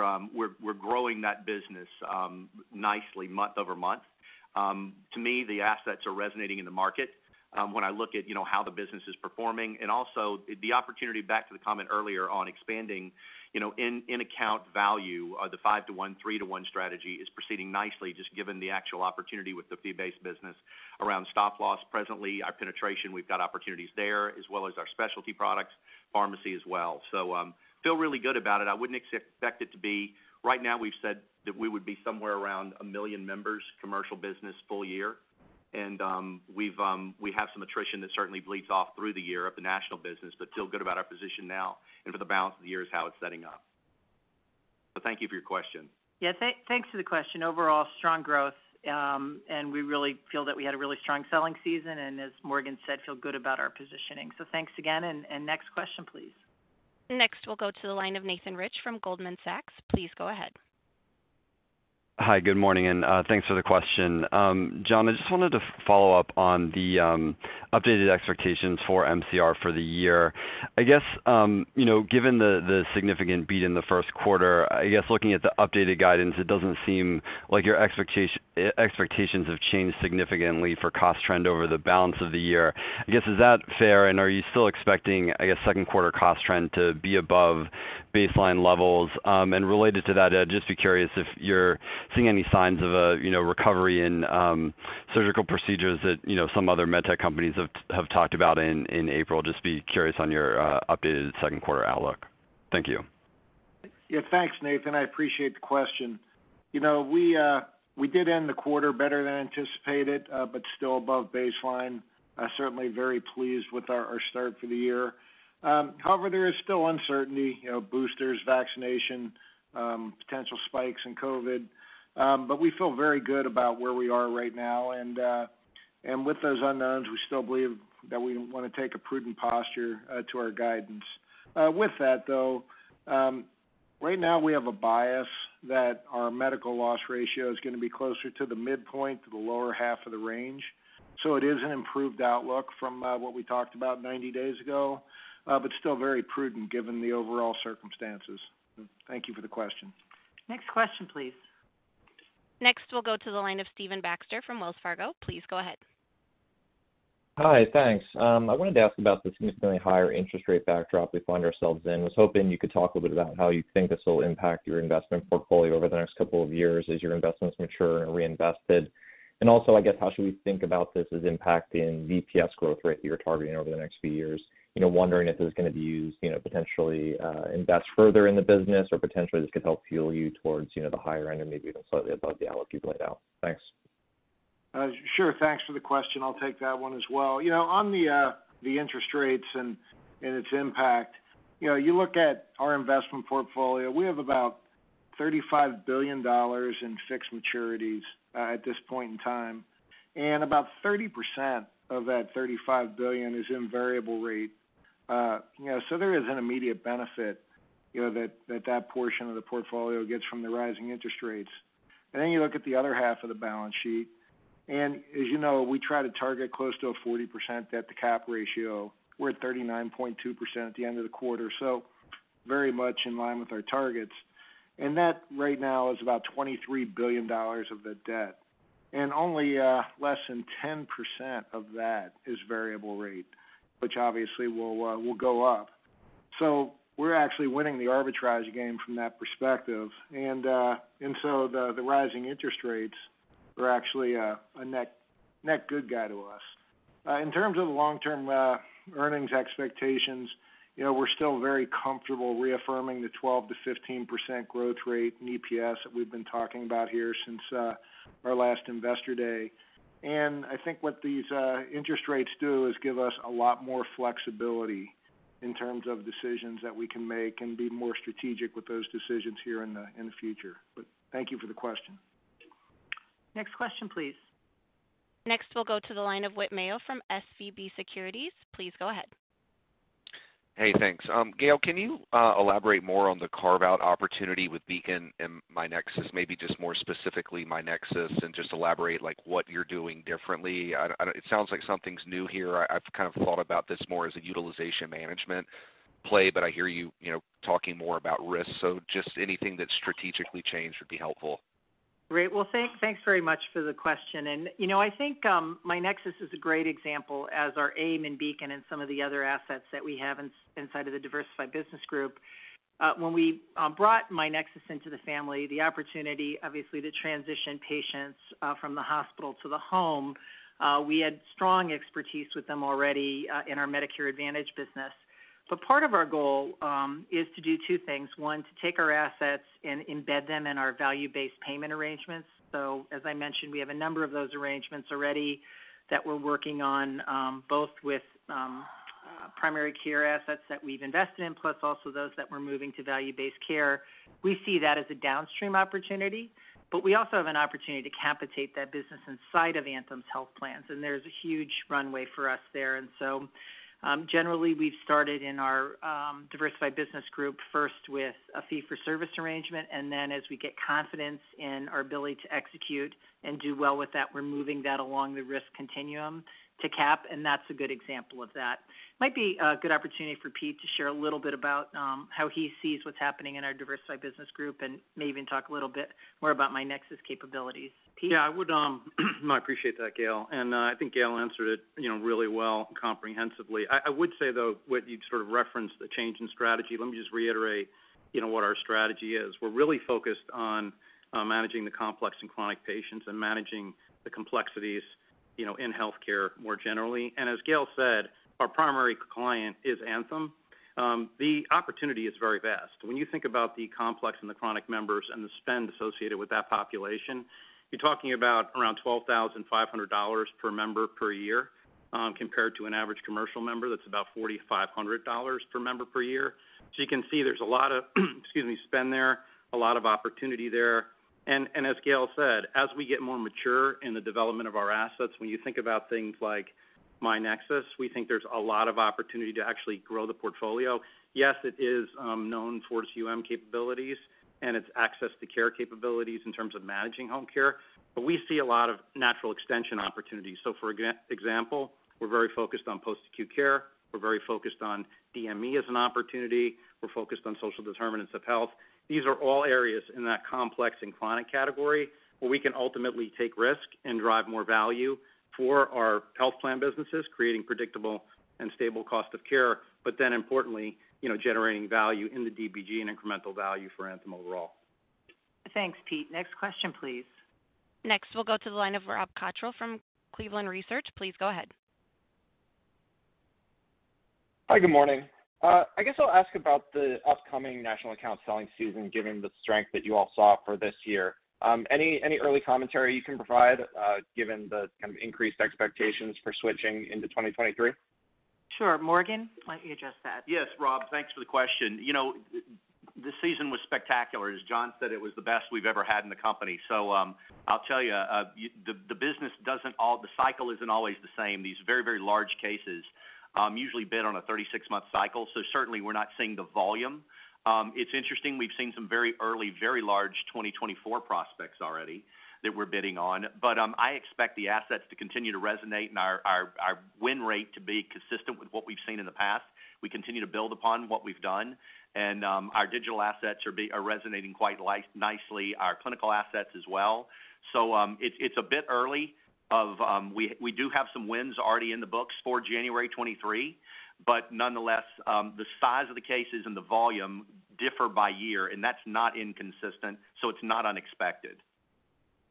growing that business nicely month-over-month. To me, the assets are resonating in the market, when I look at, you know, how the business is performing and also the opportunity, back to the comment earlier on expanding, you know, in account value, the 5-to-1, 3-to-1 strategy is proceeding nicely just given the actual opportunity with the fee-based business around stop loss. Presently, our penetration, we've got opportunities there, as well as our specialty products, pharmacy as well. Feel really good about it. I wouldn't expect it to be right now we've said that we would be somewhere around 1 million members, commercial business full year. We've, we have some attrition that certainly bleeds off through the year of the national business, but feel good about our position now and for the balance of the year is how it's setting up. Thank you for your question. Yeah, thanks for the question. Overall, strong growth, and we really feel that we had a really strong selling season, and as Morgan said, feel good about our positioning. Thanks again, and next question, please. Next, we'll go to the line of Nathan Rich from Goldman Sachs. Please go ahead. Hi, good morning, and thanks for the question. John, I just wanted to follow up on the updated expectations for MCR for the year. I guess, you know, given the significant beat in the first quarter, I guess looking at the updated guidance, it doesn't seem like your expectations have changed significantly for cost trend over the balance of the year. I guess, is that fair? Are you still expecting, I guess, second quarter cost trend to be above baseline levels? Related to that, just be curious if you're seeing any signs of a, you know, recovery in surgical procedures that, you know, some other med tech companies have talked about in April. Just be curious on your updated second quarter outlook. Thank you. Yeah, thanks, Nathan. I appreciate the question. You know, we did end the quarter better than anticipated, but still above baseline. Certainly very pleased with our start for the year. However, there is still uncertainty, you know, boosters, vaccination, potential spikes in COVID. We feel very good about where we are right now. With those unknowns, we still believe that we wanna take a prudent posture to our guidance. With that, though, right now we have a bias that our medical loss ratio is gonna be closer to the midpoint to the lower half of the range. It is an improved outlook from what we talked about 90 days ago, but still very prudent given the overall circumstances. Thank you for the question. Next question, please. Next, we'll go to the line of Stephen Baxter from Wells Fargo. Please go ahead. Hi. Thanks. I wanted to ask about the significantly higher interest rate backdrop we find ourselves in. I was hoping you could talk a little bit about how you think this will impact your investment portfolio over the next couple of years as your investments mature and reinvested. Also, I guess, how should we think about this as impacting EPS growth rate that you're targeting over the next few years? You know, wondering if this is gonna be used, you know, potentially, invest further in the business or potentially this could help fuel you towards, you know, the higher end and maybe even slightly above the outlook you've laid out. Thanks. Sure. Thanks for the question. I'll take that one as well. You know, on the interest rates and its impact, you know, you look at our investment portfolio, we have about $35 billion in fixed maturities at this point in time, and about 30% of that $35 billion is in variable rate. You know, so there is an immediate benefit, you know, that portion of the portfolio gets from the rising interest rates. Then you look at the other half of the balance sheet, and as you know, we try to target close to a 40% debt-to-cap ratio. We're at 39.2% at the end of the quarter, so very much in line with our targets. That right now is about $23 billion of the debt. Only less than 10% of that is variable rate, which obviously will go up. We're actually winning the arbitrage game from that perspective. The rising interest rates are actually a net good guy to us. In terms of the long-term earnings expectations, you know, we're still very comfortable reaffirming the 12%-15% growth rate in EPS that we've been talking about here since our last Investor Day. I think what these interest rates do is give us a lot more flexibility in terms of decisions that we can make and be more strategic with those decisions here in the future. Thank you for the question. Next question, please. Next, we'll go to the line of Whit Mayo from SVB Securities. Please go ahead. Hey, thanks. Gail, can you elaborate more on the carve-out opportunity with Beacon and myNEXUS? Maybe just more specifically myNEXUS and just elaborate, like, what you're doing differently. It sounds like something's new here. I've kind of thought about this more as a utilization management play, but I hear you know, talking more about risk. Just anything that strategically changed would be helpful. Great. Well, thanks very much for the question. You know, I think, myNEXUS is a great example as our AIM and Beacon and some of the other assets that we have inside of the Diversified Business Group. When we brought myNEXUS into the family, the opportunity, obviously, to transition patients from the hospital to the home, we had strong expertise with them already in our Medicare Advantage business. Part of our goal is to do two things. One, to take our assets and embed them in our value-based payment arrangements. As I mentioned, we have a number of those arrangements already that we're working on both with primary care assets that we've invested in, plus also those that we're moving to value-based care. We see that as a downstream opportunity, but we also have an opportunity to capitate that business inside of Anthem's health plans, and there's a huge runway for us there. Generally, we've started in our Diversified Business Group first with a fee-for-service arrangement, and then as we get confidence in our ability to execute and do well with that, we're moving that along the risk continuum to cap, and that's a good example of that. Might be a good opportunity for Pete to share a little bit about how he sees what's happening in our Diversified Business Group and maybe even talk a little bit more about myNEXUS capabilities. Pete? Yeah, I would, I appreciate that, Gail. I think Gail answered it, you know, really well, comprehensively. I would say, though, Whit, you've sort of referenced the change in strategy. Let me just reiterate, you know, what our strategy is. We're really focused on managing the complex and chronic patients and managing the complexities, you know, in healthcare more generally. As Gail said, our primary client is Anthem. The opportunity is very vast. When you think about the complex and the chronic members and the spend associated with that population, you're talking about around $12,500 per member per year, compared to an average commercial member that's about $4,500 per member per year. So you can see there's a lot of spend there, a lot of opportunity there. As Gail said, as we get more mature in the development of our assets, when you think about things like myNEXUS, we think there's a lot of opportunity to actually grow the portfolio. Yes, it is known for its UM capabilities and its access to care capabilities in terms of managing home care, but we see a lot of natural extension opportunities. For example, we're very focused on post-acute care. We're very focused on DME as an opportunity. We're focused on social determinants of health. These are all areas in that complex and chronic category where we can ultimately take risk and drive more value for our health plan businesses, creating predictable and stable cost of care, but then importantly, you know, generating value in the DBG and incremental value for Anthem overall. Thanks, Pete. Next question, please. Next, we'll go to the line of Rob Cottrell from Cleveland Research. Please go ahead. Hi, good morning. I guess I'll ask about the upcoming National Account selling season, given the strength that you all saw for this year. Any early commentary you can provide, given the kind of increased expectations for switching into 2023? Sure. Morgan, why don't you address that? Yes, Rob, thanks for the question. You know, the season was spectacular. As John said, it was the best we've ever had in the company. I'll tell you, the business doesn't always. The cycle isn't always the same. These very large cases usually bid on a 36-month cycle, so certainly we're not seeing the volume. It's interesting, we've seen some very early, very large 2024 prospects already that we're bidding on. I expect the assets to continue to resonate and our win rate to be consistent with what we've seen in the past. We continue to build upon what we've done, and our digital assets are resonating quite nicely, our clinical assets as well. It's a bit early. We do have some wins already in the books for January 2023, but nonetheless, the size of the cases and the volume differ by year, and that's not inconsistent, so it's not unexpected.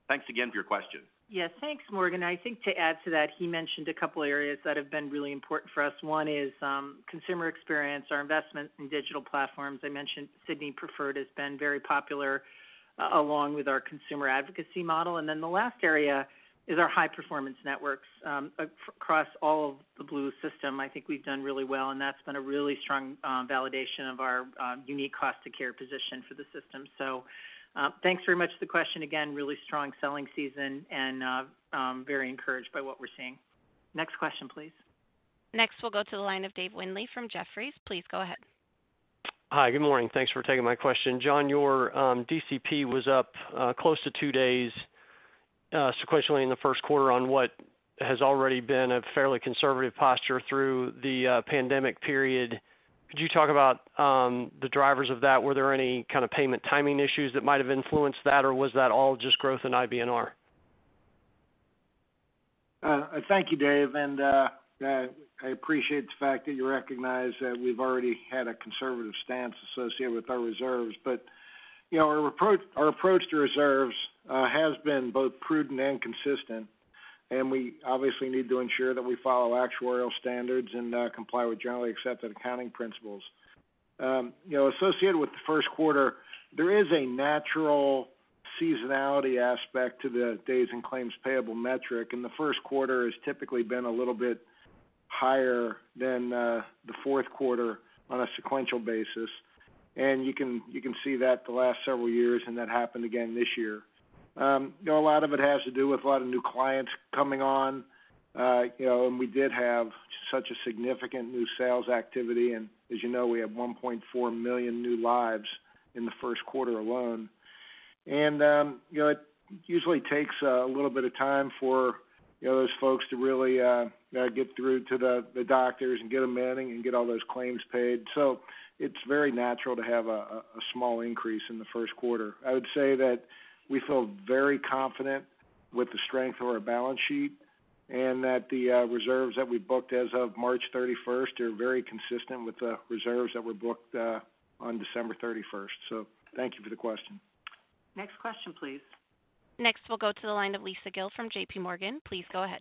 Thanks again for your question. Yes, thanks, Morgan. I think to add to that, he mentioned a couple areas that have been really important for us. One is consumer experience, our investment in digital platforms. I mentioned Sydney Preferred has been very popular, along with our consumer advocacy model. Then the last area is our high performance networks. Across all of the Blue system, I think we've done really well, and that's been a really strong validation of our unique cost to care position for the system. Thanks very much for the question. Again, really strong selling season and very encouraged by what we're seeing. Next question, please. Next, we'll go to the line of David Windley from Jefferies. Please go ahead. Hi, good morning. Thanks for taking my question. John, your DCP was up close to two days sequentially in the first quarter on what has already been a fairly conservative posture through the pandemic period. Could you talk about the drivers of that? Were there any kind of payment timing issues that might have influenced that, or was that all just growth in IBNR? Thank you, Dave, and I appreciate the fact that you recognize that we've already had a conservative stance associated with our reserves. You know, our approach to reserves has been both prudent and consistent, and we obviously need to ensure that we follow actuarial standards and comply with generally accepted accounting principles. You know, associated with the first quarter, there is a natural seasonality aspect to the days in claims payable metric, and the first quarter has typically been a little bit higher than the fourth quarter on a sequential basis. You can see that the last several years, and that happened again this year. You know, a lot of it has to do with a lot of new clients coming on. You know, we did have such a significant new sales activity. As you know, we have 1.4 million new lives in the first quarter alone. You know, it usually takes a little bit of time for you know, those folks to really get through to the doctors and get them in and get all those claims paid. It's very natural to have a small increase in the first quarter. I would say that we feel very confident with the strength of our balance sheet, and that the reserves that we booked as of March 31 are very consistent with the reserves that were booked on December 31. Thank you for the question. Next question, please. Next, we'll go to the line of Lisa Gill from JPMorgan. Please go ahead.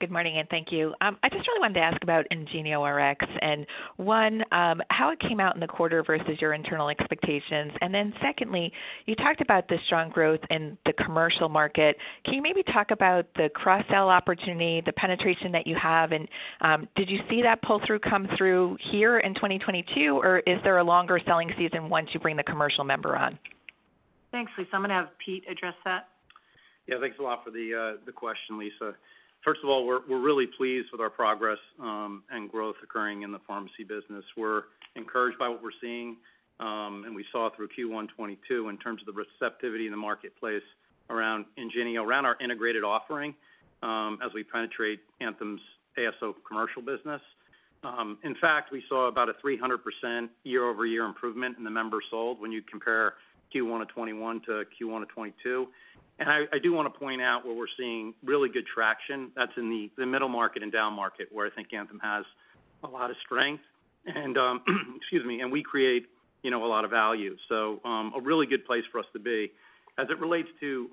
Good morning, and thank you. I just really wanted to ask about IngenioRx, and one, how it came out in the quarter versus your internal expectations. Then secondly, you talked about the strong growth in the commercial market. Can you maybe talk about the cross-sell opportunity, the penetration that you have? Did you see that pull-through come through here in 2022, or is there a longer selling season once you bring the commercial member on? Thanks, Lisa. I'm gonna have Pete address that. Yeah. Thanks a lot for the question, Lisa. First of all, we're really pleased with our progress and growth occurring in the pharmacy business. We're encouraged by what we're seeing and we saw through Q1 2022 in terms of the receptivity in the marketplace around IngenioRx, around our integrated offering as we penetrate Anthem's ASO commercial business. In fact, we saw about a 300% year-over-year improvement in the members sold when you compare Q1 of 2021 to Q1 of 2022. I do wanna point out where we're seeing really good traction, that's in the middle market and down market, where I think Anthem has a lot of strength and, excuse me, and we create, you know, a lot of value. A really good place for us to be. As it relates to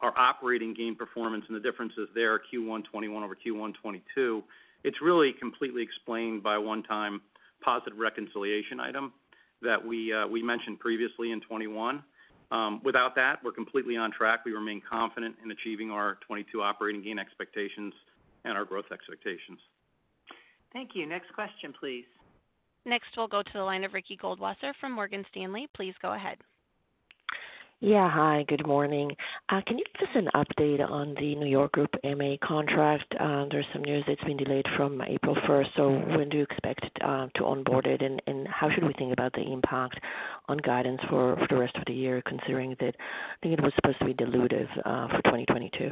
our operating gain performance and the differences there, Q1 2021 over Q1 2022, it's really completely explained by a one-time positive reconciliation item that we mentioned previously in 2021. Without that, we're completely on track. We remain confident in achieving our 2022 operating gain expectations and our growth expectations. Thank you. Next question, please. Next, we'll go to the line of Ricky Goldwasser from Morgan Stanley. Please go ahead. Yeah. Hi, good morning. Can you give us an update on the New York Group MA contract? There's some news that it's been delayed from April first. When do you expect to onboard it, and how should we think about the impact on guidance for the rest of the year, considering that I think it was supposed to be dilutive for 2022?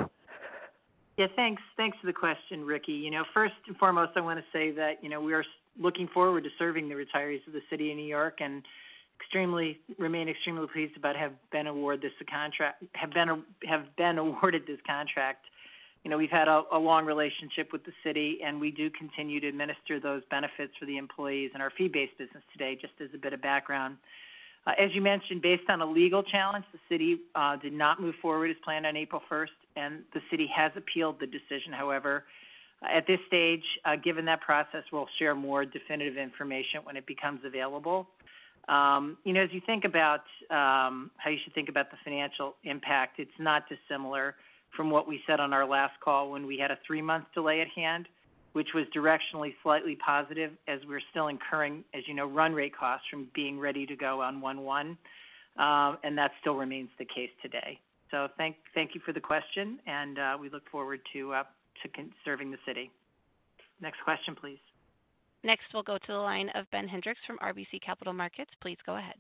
Yeah. Thanks. Thanks for the question, Rikki. You know, first and foremost, I wanna say that, you know, we are looking forward to serving the retirees of the City of New York and remain extremely pleased to have been awarded this contract. You know, we've had a long relationship with the city, and we do continue to administer those benefits for the employees in our fee-based business today, just as a bit of background. As you mentioned, based on a legal challenge, the city did not move forward as planned on April first, and the city has appealed the decision. However, at this stage, given that process, we'll share more definitive information when it becomes available. You know, as you think about how you should think about the financial impact, it's not dissimilar from what we said on our last call when we had a three-month delay at hand, which was directionally slightly positive as we're still incurring, as you know, run rate costs from being ready to go on 1/1. That still remains the case today. Thank you for the question, and we look forward to serving the city. Next question, please. Next, we'll go to the line of Ben Hendrix from RBC Capital Markets. Please go ahead.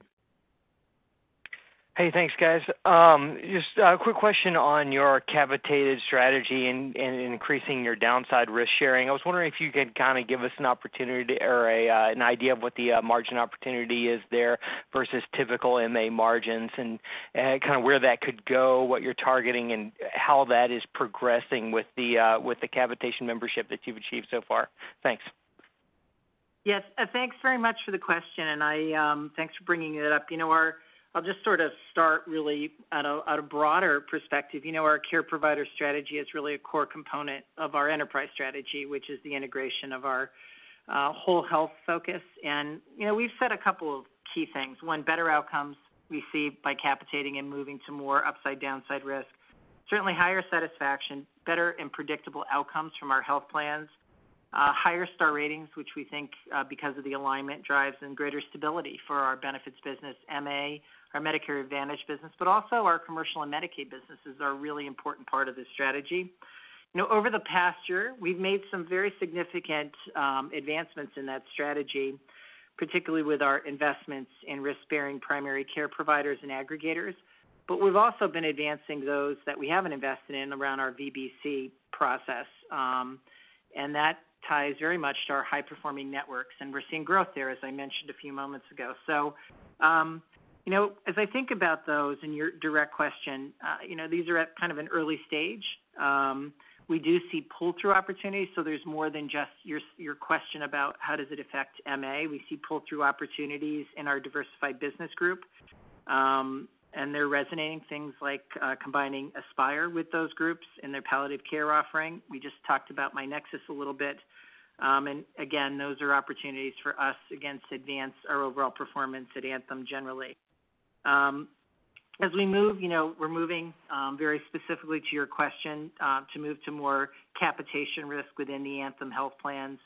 Hey. Thanks, guys. Just a quick question on your capitated strategy and increasing your downside risk sharing. I was wondering if you could kinda give us an opportunity or an idea of what the margin opportunity is there versus typical MA margins and kind of where that could go, what you're targeting, and how that is progressing with the capitation membership that you've achieved so far. Thanks. Yes. Thanks very much for the question, and I, thanks for bringing it up. You know, our care provider strategy is really a core component of our enterprise strategy, which is the integration of our whole health focus. You know, we've said a couple of key things. One, better outcomes we see by capitating and moving to more upside downside risk. Certainly higher satisfaction, better and predictable outcomes from our health plans. Higher Star Ratings, which we think, because of the alignment drives and greater stability for our benefits business, MA, our Medicare Advantage business, but also our commercial and Medicaid businesses are a really important part of this strategy. You know, over the past year, we've made some very significant advancements in that strategy, particularly with our investments in risk-bearing primary care providers and aggregators. We've also been advancing those that we haven't invested in around our VBC process. That ties very much to our high-performing networks, and we're seeing growth there, as I mentioned a few moments ago. You know, as I think about those in your direct question, you know, these are at kind of an early stage. We do see pull-through opportunities, so there's more than just your question about how does it affect MA. We see pull-through opportunities in our Diversified Business Group, and they're resonating things like combining Aspire with those groups in their palliative care offering. We just talked about myNEXUS a little bit. Again, those are opportunities for us again to advance our overall performance at Anthem generally. As we move, you know, we're moving very specifically to your question, to move to more capitation risk within the Anthem health plans.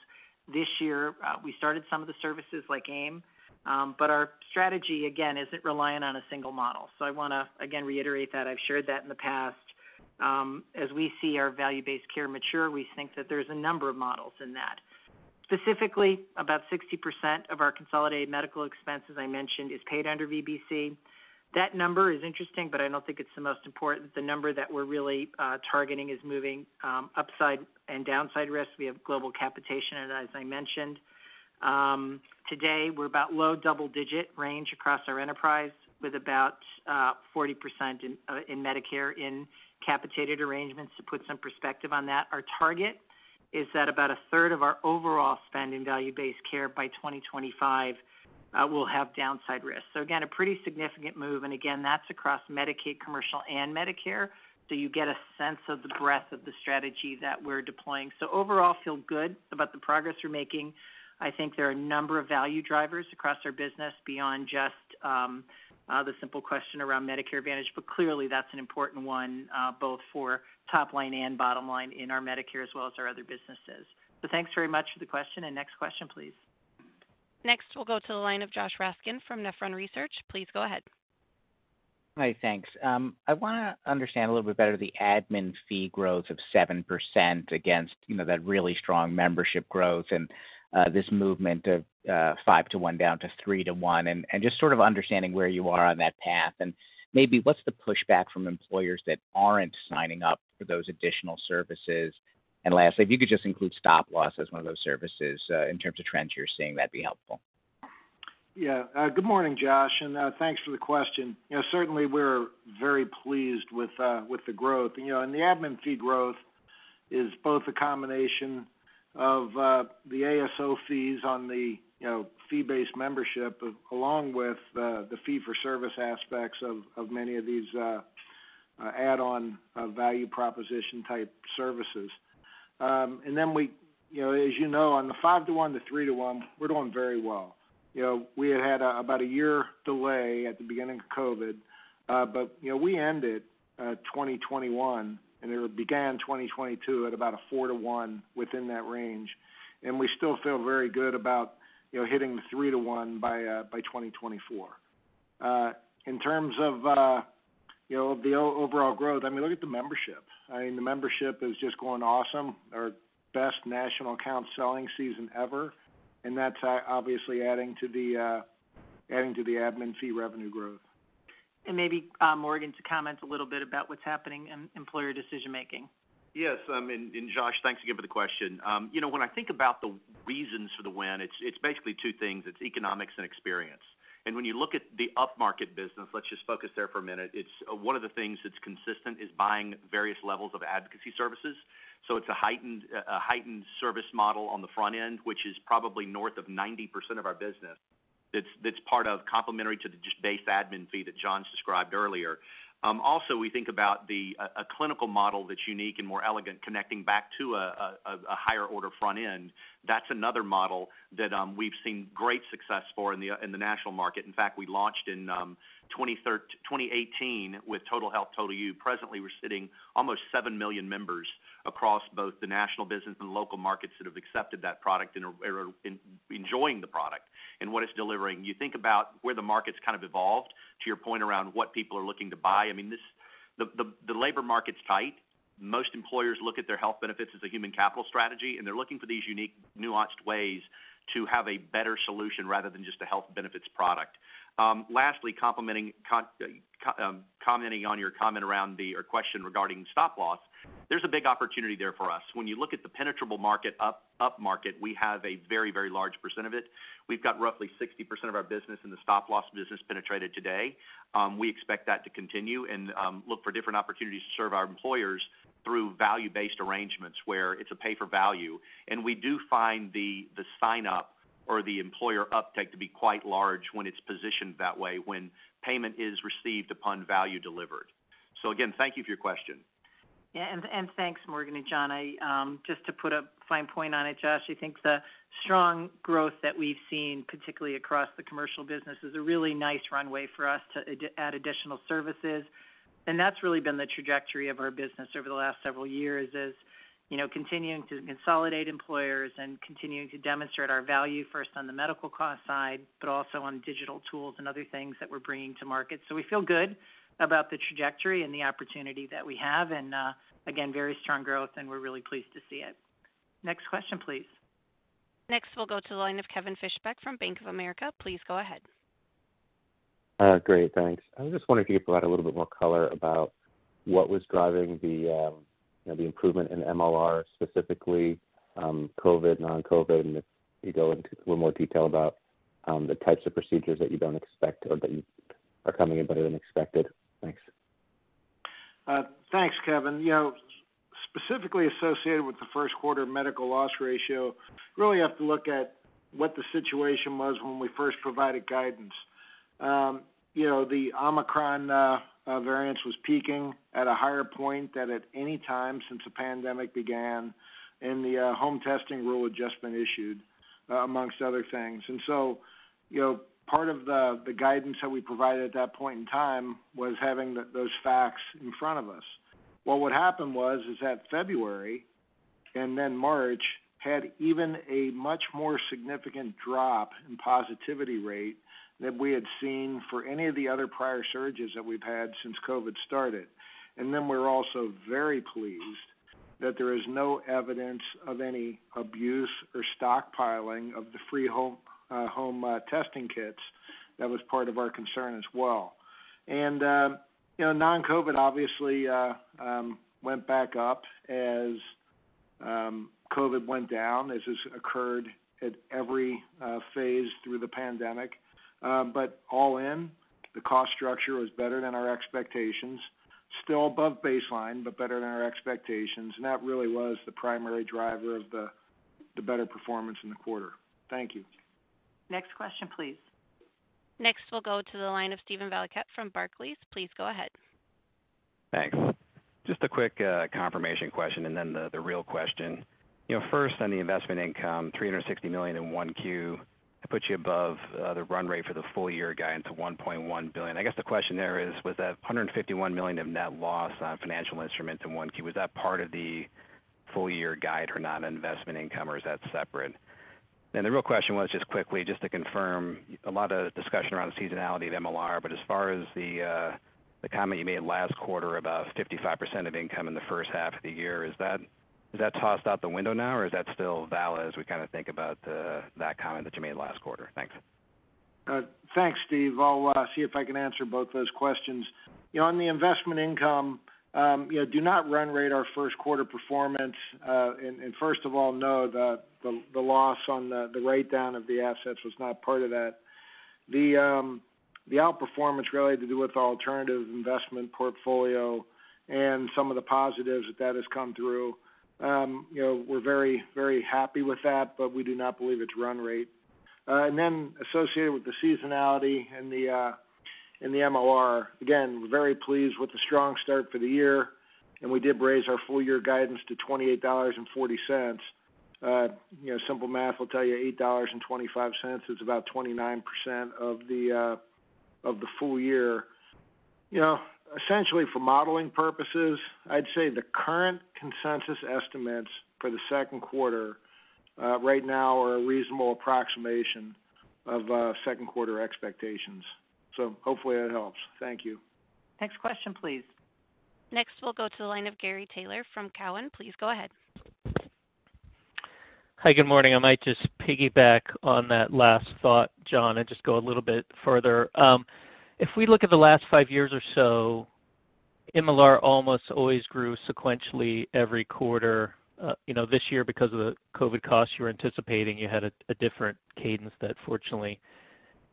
This year, we started some of the services like AIM, but our strategy, again, isn't reliant on a single model. I wanna, again, reiterate that I've shared that in the past. As we see our value-based care mature, we think that there's a number of models in that. Specifically, about 60% of our consolidated medical expenses, I mentioned, is paid under VBC. That number is interesting, but I don't think it's the most important. The number that we're really targeting is moving upside and downside risk. We have global capitation, and as I mentioned, today, we're about low double-digit range across our enterprise with about 40% in Medicare in capitated arrangements to put some perspective on that. Our target is that about a third of our overall spend in value-based care by 2025 will have downside risks. Again, a pretty significant move, and again, that's across Medicaid, commercial, and Medicare so you get a sense of the breadth of the strategy that we're deploying. Overall, feel good about the progress we're making. I think there are a number of value drivers across our business beyond just the simple question around Medicare Advantage, but clearly that's an important one, both for top line and bottom line in our Medicare as well as our other businesses. Thanks very much for the question. Next question, please. Next, we'll go to the line of Josh Raskin from Nephron Research. Please go ahead. Hi. Thanks. I wanna understand a little bit better the admin fee growth of 7% against, you know, that really strong membership growth and this movement of 5-to-1 down to 3-to-1, and just sort of understanding where you are on that path. Maybe what's the pushback from employers that aren't signing up for those additional services? Lastly, if you could just include stop loss as one of those services, in terms of trends you're seeing, that'd be helpful. Yeah. Good morning, Josh, and thanks for the question. You know, certainly we're very pleased with the growth. You know, the admin fee growth is both a combination of the ASO fees on the fee-based membership, along with the fee-for-service aspects of many of these add-on value proposition type services. Then, you know, as you know, on the 5-to-1 to 3-to-1, we're doing very well. You know, we had about a year delay at the beginning of COVID, but you know, we ended 2021, and it began 2022 at about a 4-to-1 within that range, and we still feel very good about you know, hitting the 3-to-1 by 2024. In terms of the overall growth, I mean, look at the membership. I mean, the membership is just going awesome. Our best national account selling season ever, and that's obviously adding to the admin fee revenue growth. Maybe, Morgan to comment a little bit about what's happening in employer decision-making. Yes. Josh, thanks again for the question. You know, when I think about the reasons for the win, it's basically two things. It's economics and experience. When you look at the upmarket business, let's just focus there for a minute, one of the things that's consistent is buying various levels of advocacy services. It's a heightened service model on the front end, which is probably north of 90% of our business that's part complementary to the just base admin fee that John described earlier. Also, we think about a clinical model that's unique and more elegant connecting back to a higher order front end. That's another model that we've seen great success for in the national market. In fact, we launched in 2018 with Total Health, Total You. Presently, we're sitting almost 7 million members across both the national business and local markets that have accepted that product and are enjoying the product and what it's delivering. You think about where the market's kind of evolved to your point around what people are looking to buy. I mean, the labor market's tight. Most employers look at their health benefits as a human capital strategy, and they're looking for these unique, nuanced ways to have a better solution rather than just a health benefits product. Lastly, commenting on your comment or question regarding stop loss, there's a big opportunity there for us. When you look at the penetrable market upmarket, we have a very large percent of it. We've got roughly 60% of our business in the stop loss business penetrated today. We expect that to continue and look for different opportunities to serve our employers through value-based arrangements where it's a pay-for-value. We do find the sign-up or the employer uptake to be quite large when it's positioned that way when payment is received upon value delivered. Again, thank you for your question. Yeah. Thanks, Morgan and John. I just to put a fine point on it, Josh. I think the strong growth that we've seen, particularly across the commercial business, is a really nice runway for us to add additional services. That's really been the trajectory of our business over the last several years, you know, continuing to consolidate employers and continuing to demonstrate our value first on the medical cost side, but also on digital tools and other things that we're bringing to market. We feel good about the trajectory and the opportunity that we have, and again, very strong growth, and we're really pleased to see it. Next question, please. Next, we'll go to the line of Kevin Fischbeck from Bank of America. Please go ahead. Great. Thanks. I was just wondering if you could provide a little bit more color about what was driving the, you know, the improvement in MLR, specifically, COVID, non-COVID, and if you go into a little more detail about the types of procedures that you don't expect or that you are coming in better than expected. Thanks. Thanks, Kevin. You know, specifically associated with the first quarter medical loss ratio, really have to look at what the situation was when we first provided guidance. You know, the Omicron variant was peaking at a higher point than at any time since the pandemic began, and the home testing rule had just been issued, amongst other things. You know, part of the guidance that we provided at that point in time was having those facts in front of us. Well, what happened was, is that February and then March had even a much more significant drop in positivity rate than we had seen for any of the other prior surges that we've had since COVID started. We're also very pleased that there is no evidence of any abuse or stockpiling of the free home testing kits. That was part of our concern as well. You know, non-COVID obviously went back up as COVID went down, as has occurred at every phase through the pandemic. All in, the cost structure was better than our expectations. Still above baseline, but better than our expectations. That really was the primary driver of the better performance in the quarter. Thank you. Next question, please. Next, we'll go to the line of Steven Valiquette from Barclays. Please go ahead. Thanks. Just a quick confirmation question and then the real question. You know, first on the investment income, $360 million in 1Q, it puts you above the run rate for the full year guide into $1.1 billion. I guess the question there is, was that $151 million of net loss on financial instruments in 1Q, was that part of the full year guide or net investment income, or is that separate? The real question was just quickly just to confirm a lot of discussion around the seasonality of MLR. As far as the comment you made last quarter about 55% of income in the first half of the year, is that tossed out the window now, or is that still valid as we kinda think about that comment that you made last quarter? Thanks. Thanks, Steve. I'll see if I can answer both those questions. You know, on the investment income, you know, do not run rate our first quarter performance. First of all, know that the loss on the write down of the assets was not part of that. The outperformance really had to do with alternative investment portfolio and some of the positives that has come through. You know, we're very, very happy with that, but we do not believe it's run rate. Associated with the seasonality and the MLR, again, we're very pleased with the strong start for the year, and we did raise our full year guidance to $28.40. You know, simple math will tell you $8.25 is about 29% of the full year. You know, essentially for modeling purposes, I'd say the current consensus estimates for the second quarter right now are a reasonable approximation of second quarter expectations. Hopefully that helps. Thank you. Next question, please. Next, we'll go to the line of Gary Taylor from Cowen. Please go ahead. Hi, good morning. I might just piggyback on that last thought, John, and just go a little bit further. If we look at the last five years or so, MLR almost always grew sequentially every quarter. You know, this year because of the COVID costs you were anticipating, you had a different cadence that fortunately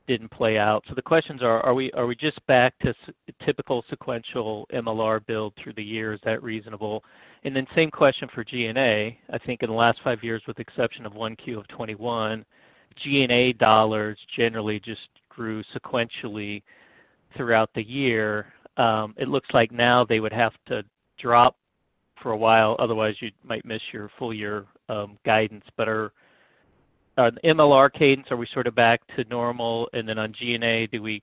didn't play out. The questions are we just back to typical sequential MLR build through the year? Is that reasonable? Then same question for G&A. I think in the last five years, with the exception of one Q of 2021, G&A dollars generally just grew sequentially throughout the year. It looks like now they would have to drop for a while, otherwise you might miss your full year guidance. MLR cadence, are we sort of back to normal? Then on G&A, do we,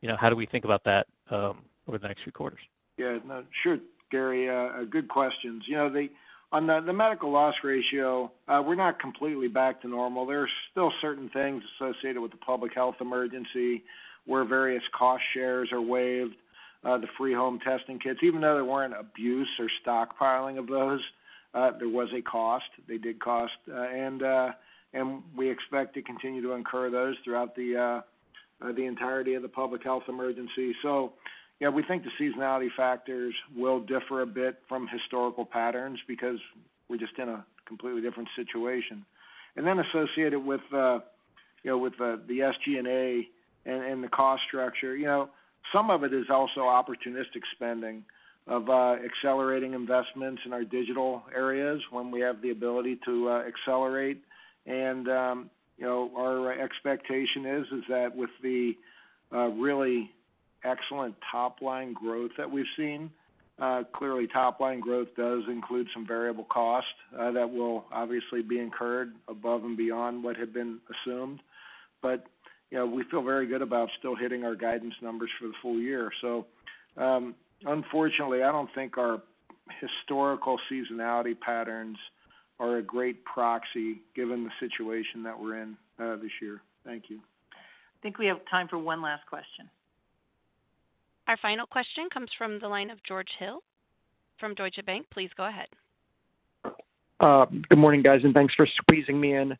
you know, how do we think about that over the next few quarters? Yeah, no, sure, Gary. Good questions. You know, on the medical loss ratio, we're not completely back to normal. There are still certain things associated with the public health emergency where various cost shares are waived. The free home testing kits, even though there weren't abuse or stockpiling of those, there was a cost. They did cost, and we expect to continue to incur those throughout the entirety of the public health emergency. You know, we think the seasonality factors will differ a bit from historical patterns because we're just in a completely different situation. Associated with, you know, with the SG&A and the cost structure, you know, some of it is also opportunistic spending of accelerating investments in our digital areas when we have the ability to accelerate. Our expectation is that with the really excellent top line growth that we've seen, clearly top line growth does include some variable cost that will obviously be incurred above and beyond what had been assumed. We feel very good about still hitting our guidance numbers for the full year. Unfortunately, I don't think our historical seasonality patterns are a great proxy given the situation that we're in this year. Thank you. I think we have time for one last question. Our final question comes from the line of George Hill from Deutsche Bank. Please go ahead. Good morning, guys, and thanks for squeezing me in.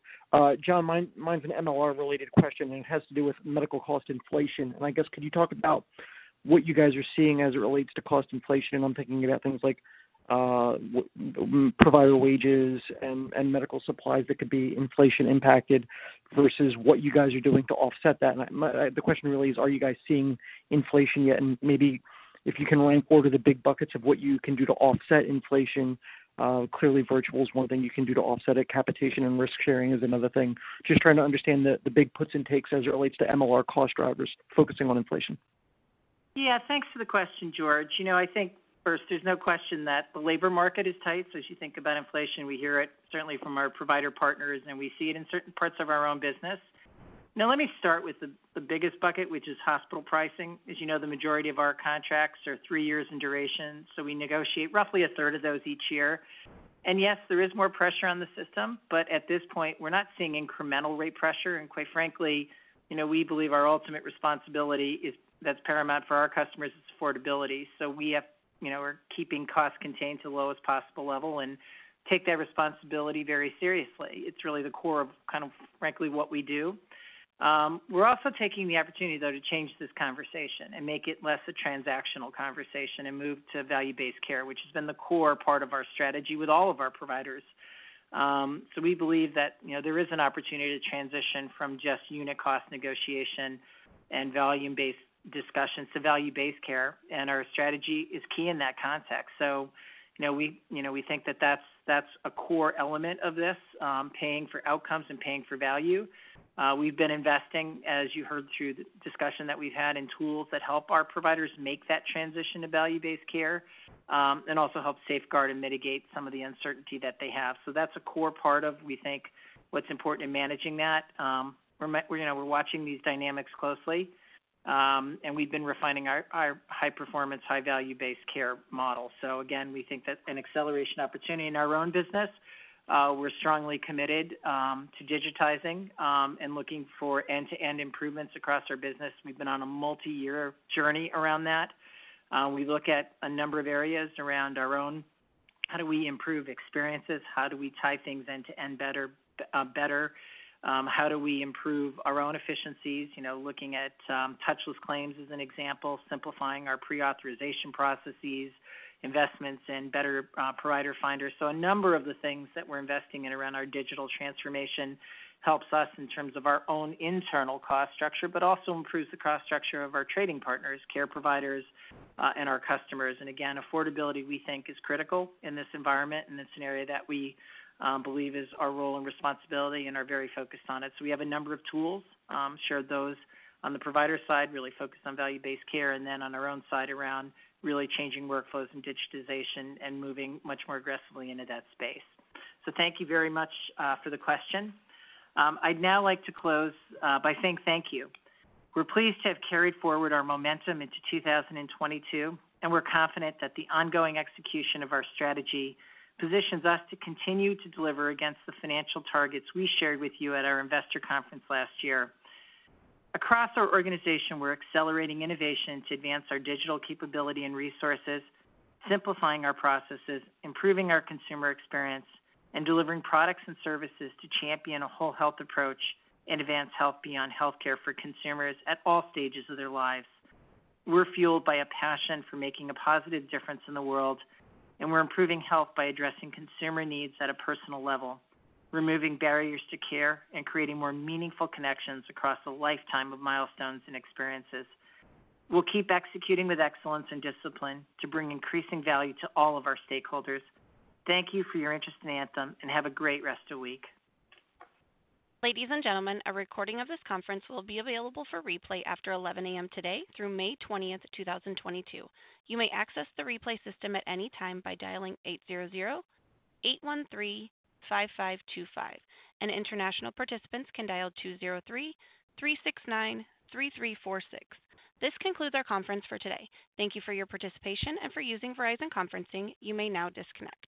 John, mine's an MLR related question, and it has to do with medical cost inflation. I guess could you talk about what you guys are seeing as it relates to cost inflation, and I'm thinking about things like provider wages and medical supplies that could be inflation impacted versus what you guys are doing to offset that. The question really is, are you guys seeing inflation yet? Maybe if you can rank order the big buckets of what you can do to offset inflation. Clearly, virtual is one thing you can do to offset it. Capitation and risk sharing is another thing. Just trying to understand the big puts and takes as it relates to MLR cost drivers focusing on inflation. Yeah, thanks for the question, George. You know, I think first, there's no question that the labor market is tight. As you think about inflation, we hear it certainly from our provider partners, and we see it in certain parts of our own business. Now, let me start with the biggest bucket, which is hospital pricing. As you know, the majority of our contracts are three years in duration, so we negotiate roughly a third of those each year. Yes, there is more pressure on the system, but at this point, we're not seeing incremental rate pressure. Quite frankly, you know, we believe our ultimate responsibility, that's paramount for our customers, is affordability. We have, you know, we're keeping costs contained to the lowest possible level and take that responsibility very seriously. It's really the core of kind of frankly, what we do. We're also taking the opportunity though to change this conversation and make it less a transactional conversation and move to value-based care, which has been the core part of our strategy with all of our providers. We believe that, you know, there is an opportunity to transition from just unit cost negotiation and volume-based discussions to value-based care, and our strategy is key in that context. You know, we think that that's a core element of this, paying for outcomes and paying for value. We've been investing, as you heard through the discussion that we've had, in tools that help our providers make that transition to value-based care, and also help safeguard and mitigate some of the uncertainty that they have. That's a core part of, we think, what's important in managing that. We're watching these dynamics closely, and we've been refining our high performance, high value-based care model. Again, we think that's an acceleration opportunity in our own business. We're strongly committed to digitizing and looking for end-to-end improvements across our business. We've been on a multi-year journey around that. We look at a number of areas around our own: how do we improve experiences, how do we tie things end-to-end better, how do we improve our own efficiencies? You know, looking at touchless claims as an example, simplifying our prior authorization processes, investments in better provider finders. A number of the things that we're investing in around our digital transformation helps us in terms of our own internal cost structure, but also improves the cost structure of our trading partners, care providers, and our customers. Again, affordability, we think, is critical in this environment and it's an area that we believe is our role and responsibility and are very focused on it. We have a number of tools, shared those on the provider side, really focused on value-based care, and then on our own side around really changing workflows and digitization and moving much more aggressively into that space. Thank you very much for the question. I'd now like to close by saying thank you. We're pleased to have carried forward our momentum into 2022, and we're confident that the ongoing execution of our strategy positions us to continue to deliver against the financial targets we shared with you at our investor conference last year. Across our organization, we're accelerating innovation to advance our digital capability and resources, simplifying our processes, improving our consumer experience, and delivering products and services to champion a whole health approach and advance health beyond healthcare for consumers at all stages of their lives. We're fueled by a passion for making a positive difference in the world, and we're improving health by addressing consumer needs at a personal level, removing barriers to care, and creating more meaningful connections across a lifetime of milestones and experiences. We'll keep executing with excellence and discipline to bring increasing value to all of our stakeholders. Thank you for your interest in Anthem, and have a great rest of the week. Ladies and gentlemen, a recording of this conference will be available for replay after 11 A.M. today through May 20, 2022. You may access the replay system at any time by dialing 800-813-5525. International participants can dial 203-369-3346. This concludes our conference for today. Thank you for your participation and for using Verizon Conferencing. You may now disconnect.